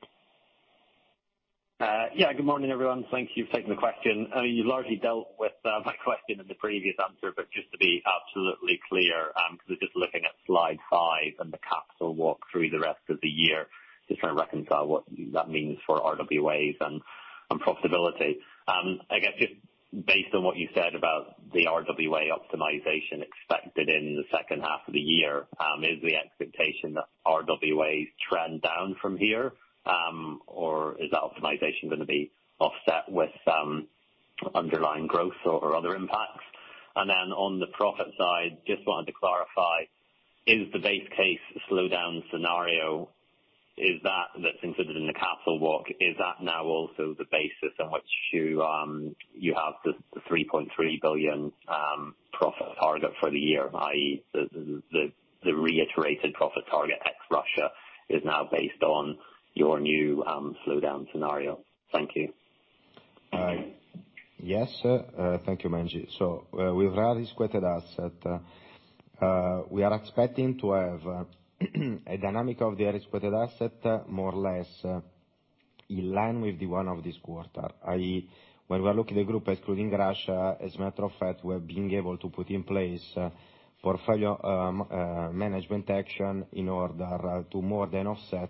Yeah, good morning, everyone. Thank you for taking the question. You largely dealt with my question in the previous answer, but just to be absolutely clear, 'cause just looking at slide five and the capital walk-through the rest of the year, just trying to reconcile what that means for RWAs and profitability. Based on what you said about the RWA optimization expected in the second half of the year, is the expectation that RWAs trend down from here, or is that optimization gonna be offset with underlying growth or other impacts? On the profit side, just wanted to clarify, is the base case slowdown scenario included in the capital book, is that now also the basis on which you have the 3.3 billion profit target for the year, i.e., the reiterated profit target ex-Russia is now based on your new slowdown scenario? Thank you. Yes, thank you, Benjie. With risk-weighted asset, we are expecting to have a dynamic of the risk-weighted asset more or less in line with the one of this quarter, i.e., when we look at the group excluding Russia. As a matter of fact, we are being able to put in place portfolio management action in order to more than offset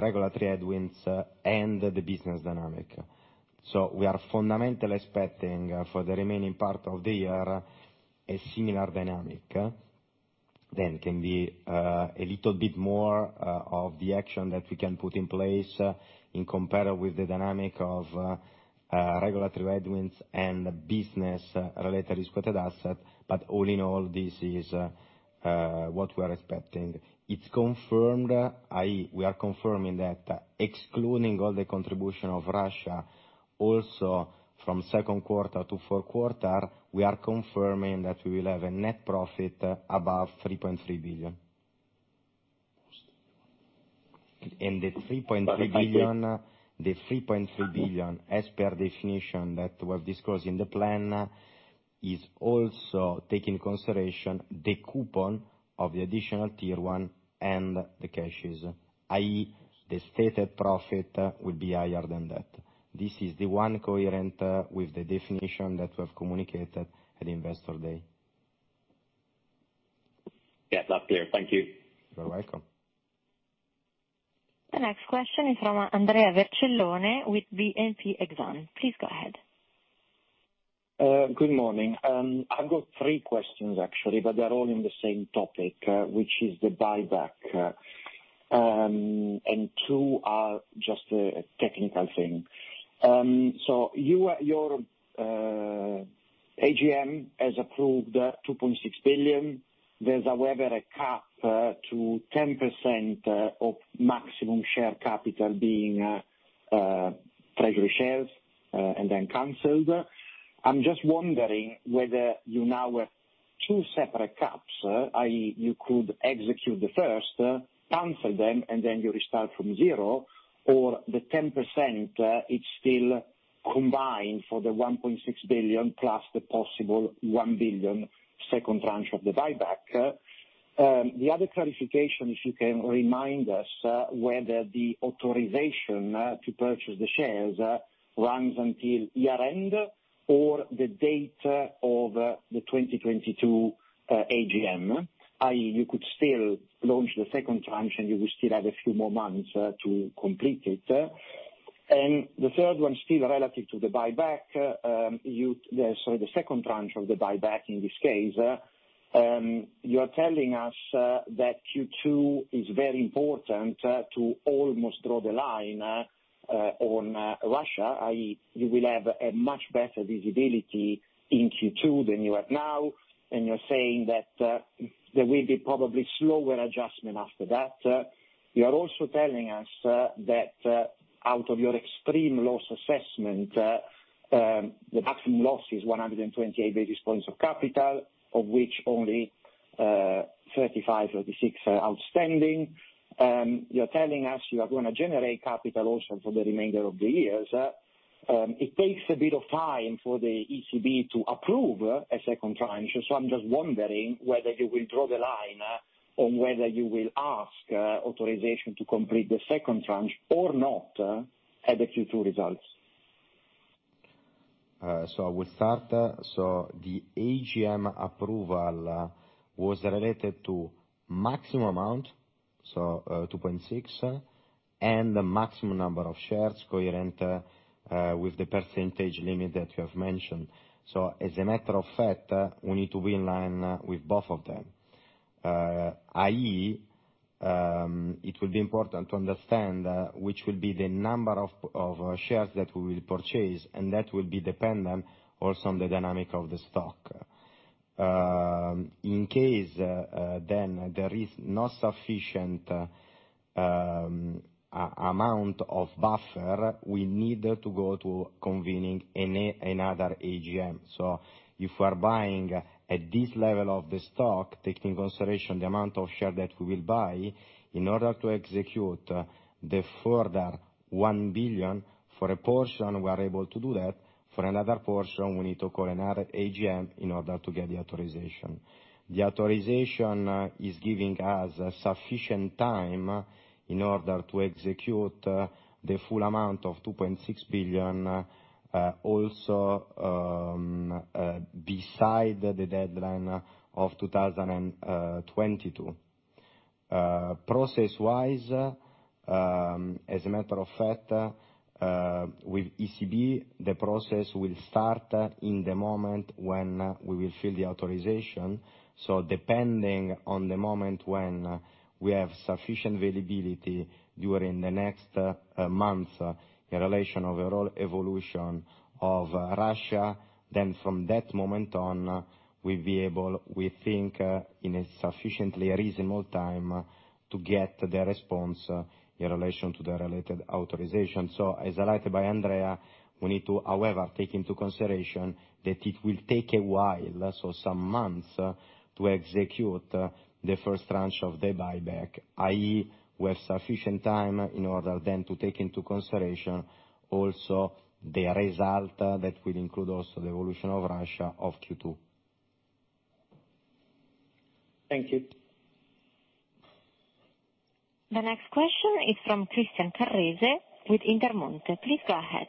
regulatory headwinds and the business dynamic. We are fundamentally expecting for the remaining part of the year a similar dynamic. There can be a little bit more of the action that we can put in place compared with the dynamic of regulatory headwinds and business-related risk-weighted asset. All in all, this is what we are expecting. It's confirmed, i.e., we are confirming that excluding all the contribution of Russia, also from second quarter to fourth quarter, we are confirming that we will have a net profit above 3.3 billion. I think. The 3.3 billion, as per definition that was discussed in the plan, also takes into consideration the coupon of the Additional Tier 1 and the cashes, i.e., the stated profit, will be higher than that. This is the one coherent with the definition that we have communicated at Investor Day. Yes, that's clear. Thank you. You're welcome. The next question is from Andrea Vercellone with BNP Paribas Exane. Please go ahead. Good morning. I've got three questions actually, but they're all in the same topic, which is the buyback, and two are just a technical thing. Your AGM has approved 2.6 billion. There's however a cap to 10% of maximum share capital being treasury shares and then canceled. I'm just wondering whether you now have two separate caps, i.e., you could execute the first, cancel them, and then you restart from zero, or the 10% it's still combined for the 1.6 billion plus the possible 1 billion second tranche of the buyback. The other clarification, if you can remind us, whether the authorization to purchase the shares runs until year-end or the date of the 2022 AGM, i.e., you could still launch the second tranche and you will still have a few more months to complete it. The third one, still relative to the buyback, the second tranche of the buyback in this case. You're telling us that Q2 is very important to almost draw the line on Russia, i.e., you will have a much better visibility in Q2 than you have now, and you're saying that there will be probably slower adjustment after that. You are also telling us that out of your extreme loss assessment the maximum loss is 128 basis points of capital, of which only 35-36 are outstanding. You're telling us you are gonna generate capital also for the remainder of the years. It takes a bit of time for the ECB to approve a second tranche. I'm just wondering whether you will draw the line on whether you will ask authorization to complete the second tranche or not at the Q2 results. I will start. The AGM approval was related to maximum amount, so, 2.6 billion, and the maximum number of shares coherent with the percentage limit that you have mentioned. As a matter of fact, we need to be in line with both of them. i.e., it will be important to understand which will be the number of shares that we will purchase, and that will be dependent also on the dynamic of the stock. In case then there is not sufficient amount of buffer, we need to go to convening another AGM. If we're buying at this level of the stock, taking into consideration the amount of shares that we will buy, in order to execute the further 1 billion, for a portion, we are able to do that. For another portion, we need to call another AGM in order to get the authorization. The authorization is giving us sufficient time in order to execute the full amount of 2.6 billion also, beyond the deadline of 2022. Process-wise, as a matter of fact, with ECB, the process will start in the moment when we will file the authorization. Depending on the moment when we have sufficient availability during the next month in relation to our exposure to Russia, then from that moment on, we'll be able, we think, in a sufficiently reasonable time, to get the response in relation to the related authorization. As highlighted by Andrea, we need to, however, take into consideration that it will take a while, so some months, to execute the first tranche of the buyback, i.e., we have sufficient time in order then to take into consideration also the result that will include also the evolution of Russia of Q2. Thank you. The next question is from Christian Carrese with Intermonte. Please go ahead.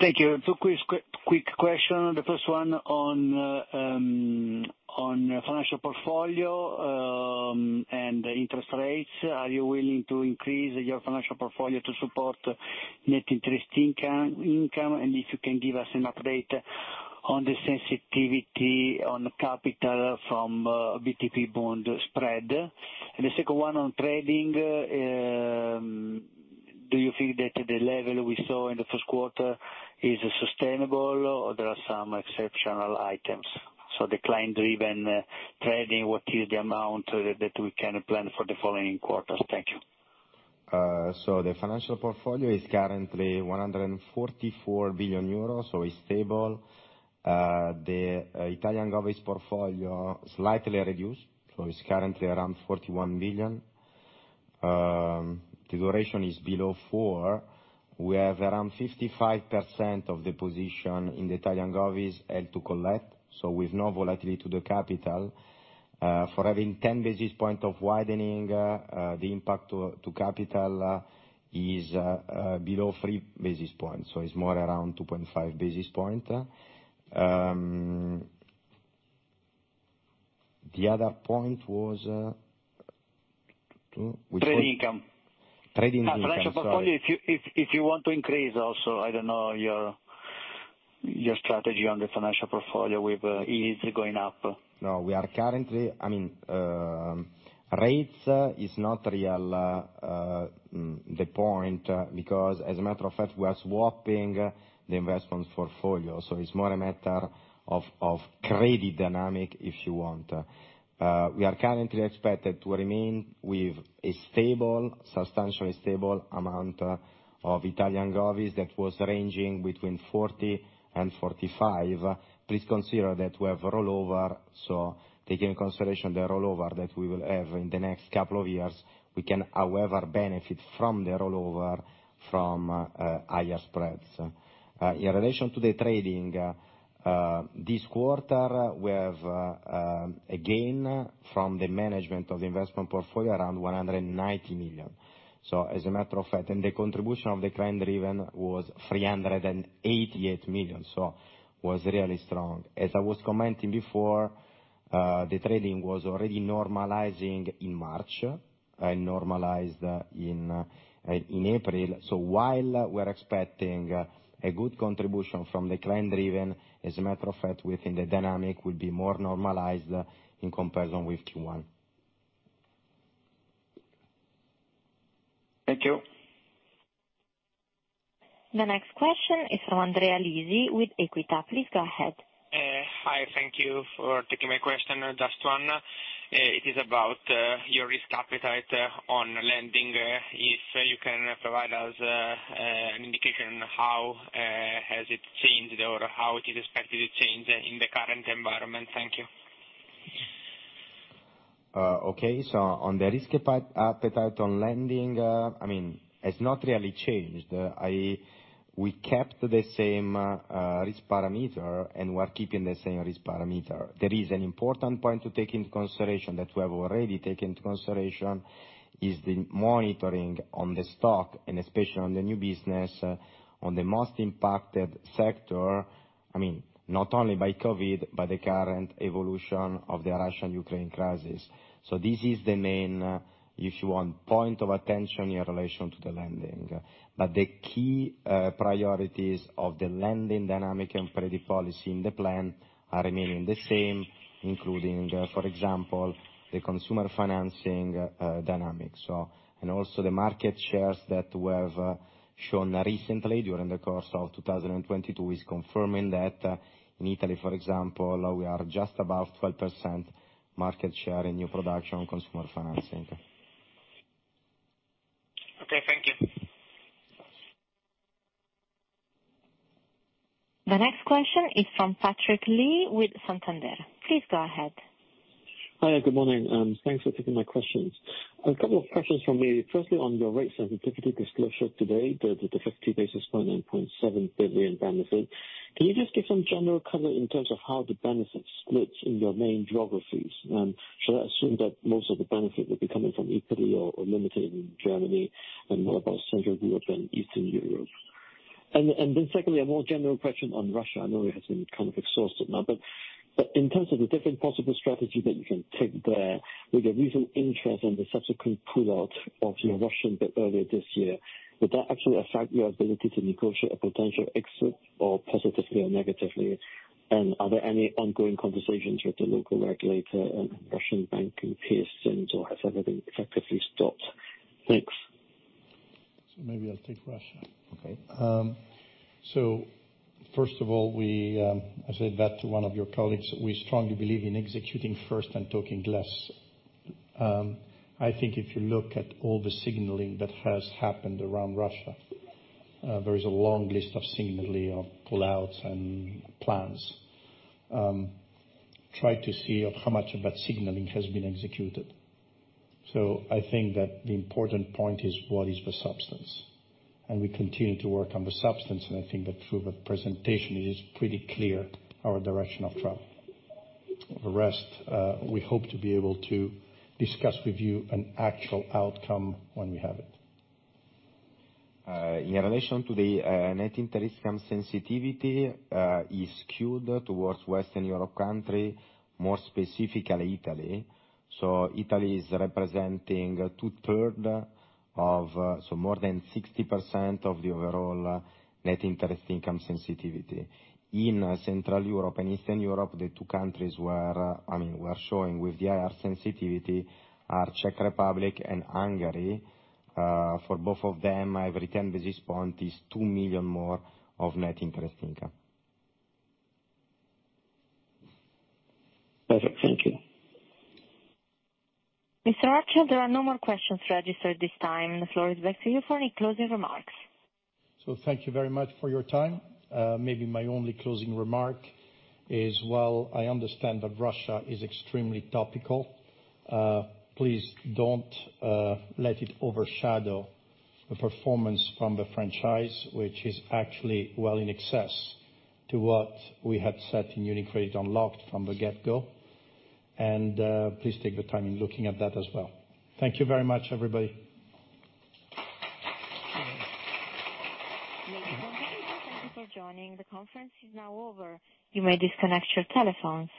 Thank you. Two quick questions. The first one on financial portfolio and interest rates. Are you willing to increase your financial portfolio to support net interest income, and if you can give us an update on the sensitivity on capital from BTP bond spread? The second one on trading, do you think that the level we saw in the first quarter is sustainable, or there are some exceptional items? The client-driven trading, what is the amount that we can plan for the following quarters? Thank you. The financial portfolio is currently 144 billion euros, so it's stable. The Italian govies portfolio slightly reduced, so it's currently around 41 billion. The duration is below 4. We have around 55% of the position in the Italian govies held to collect, so with no volatility to the capital. For having 10 basis points of widening, the impact to capital is below 3 basis points, so it's more around 2.5 basis points. The other point was. Trading income. Trading income, sorry. Financial portfolio, if you want to increase also, I don't know, your strategy on the financial portfolio with yields going up. No, I mean, rates is not really the point, because as a matter of fact, we are swapping the investment portfolio, so it's more a matter of credit dynamics, if you want. We are currently expected to remain with a stable, substantially stable amount of Italian govies that was ranging between 40 billion-45 billion. Please consider that we have rollover, so taking into consideration the rollover that we will have in the next couple of years, we can, however, benefit from the rollover from higher spreads. In relation to the trading this quarter, we have a gain from the management of the investment portfolio around 190 million, so as a matter of fact. The contribution of the client-driven was 388 million, so was really strong. As I was commenting before, the trading was already normalizing in March and normalized in April. While we're expecting a good contribution from the client-driven, as a matter of fact, within the dynamic, we'll be more normalized in comparison with Q1. Thank you. The next question is from Andrea Lisi with Equita. Please go ahead. Hi. Thank you for taking my question. Just one. It is about your risk appetite on lending. If you can provide us an indication how has it changed or how it is expected to change in the current environment? Thank you. On the risk appetite on lending, I mean, it's not really changed. We kept the same risk parameter, and we're keeping the same risk parameter. There is an important point to take into consideration that we have already taken into consideration, is the monitoring on the stock, and especially on the new business on the most impacted sector. I mean, not only by COVID, but the current evolution of the Russian-Ukraine crisis. This is the main, if you want, point of attention in relation to the lending. The key priorities of the lending dynamic and credit policy in the plan are remaining the same, including, for example, the consumer financing dynamic. The market shares that we have shown recently during the course of 2022 is confirming that in Italy, for example, we are just above 12% market share in new production consumer financing. Okay. Thank you. The next question is from Patrick Lee with Santander. Please go ahead. Hi, good morning, and thanks for taking my questions. A couple of questions from me. Firstly, on your rate sensitivity disclosure today, the 50 basis points and 0.7 billion benefit, can you just give some general color in terms of how the benefit splits in your main geographies? Should I assume that most of the benefit will be coming from Italy or limited in Germany? What about Central Europe and Eastern Europe? Then secondly, a more general question on Russia. I know it has been kind of exhausted now, but in terms of the different possible strategy that you can take there, with your recent interest and the subsequent pull-out of the Russian bit earlier this year, would that actually affect your ability to negotiate a potential exit or positively or negatively? Are there any ongoing conversations with the local regulator and Russian banking peers since, or has everything effectively stopped? Thanks. Maybe I'll take Russia. Okay. So first of all, I said that to one of your colleagues. We strongly believe in executing first and talking less. I think if you look at all the signaling that has happened around Russia, there is a long list of signaling of pullouts and plans. Try to see how much of that signaling has been executed. I think that the important point is what is the substance? We continue to work on the substance, and I think that through the presentation it is pretty clear our direction of travel. The rest, we hope to be able to discuss with you an actual outcome when we have it. In relation to the net interest income sensitivity is skewed towards Western Europe country, more specifically Italy. Italy is representing 2/3 of, so more than 60% of the overall net interest income sensitivity. In Central Europe and Eastern Europe, the two countries we're, I mean, we're showing with the higher sensitivity are Czech Republic and Hungary. For both of them, every 10 basis points is 2 million more of net interest income. Perfect. Thank you. Mr. Orcel, there are no more questions registered at this time. The floor is back to you for any closing remarks. Thank you very much for your time. Maybe my only closing remark is, while I understand that Russia is extremely topical, please don't let it overshadow the performance from the franchise, which is actually well in excess to what we had set in UniCredit Unlocked from the get-go. Please take the time in looking at that as well. Thank you very much, everybody. Ladies, and gentlemen, thank you for joining. The conference is now over. You may disconnect your telephones.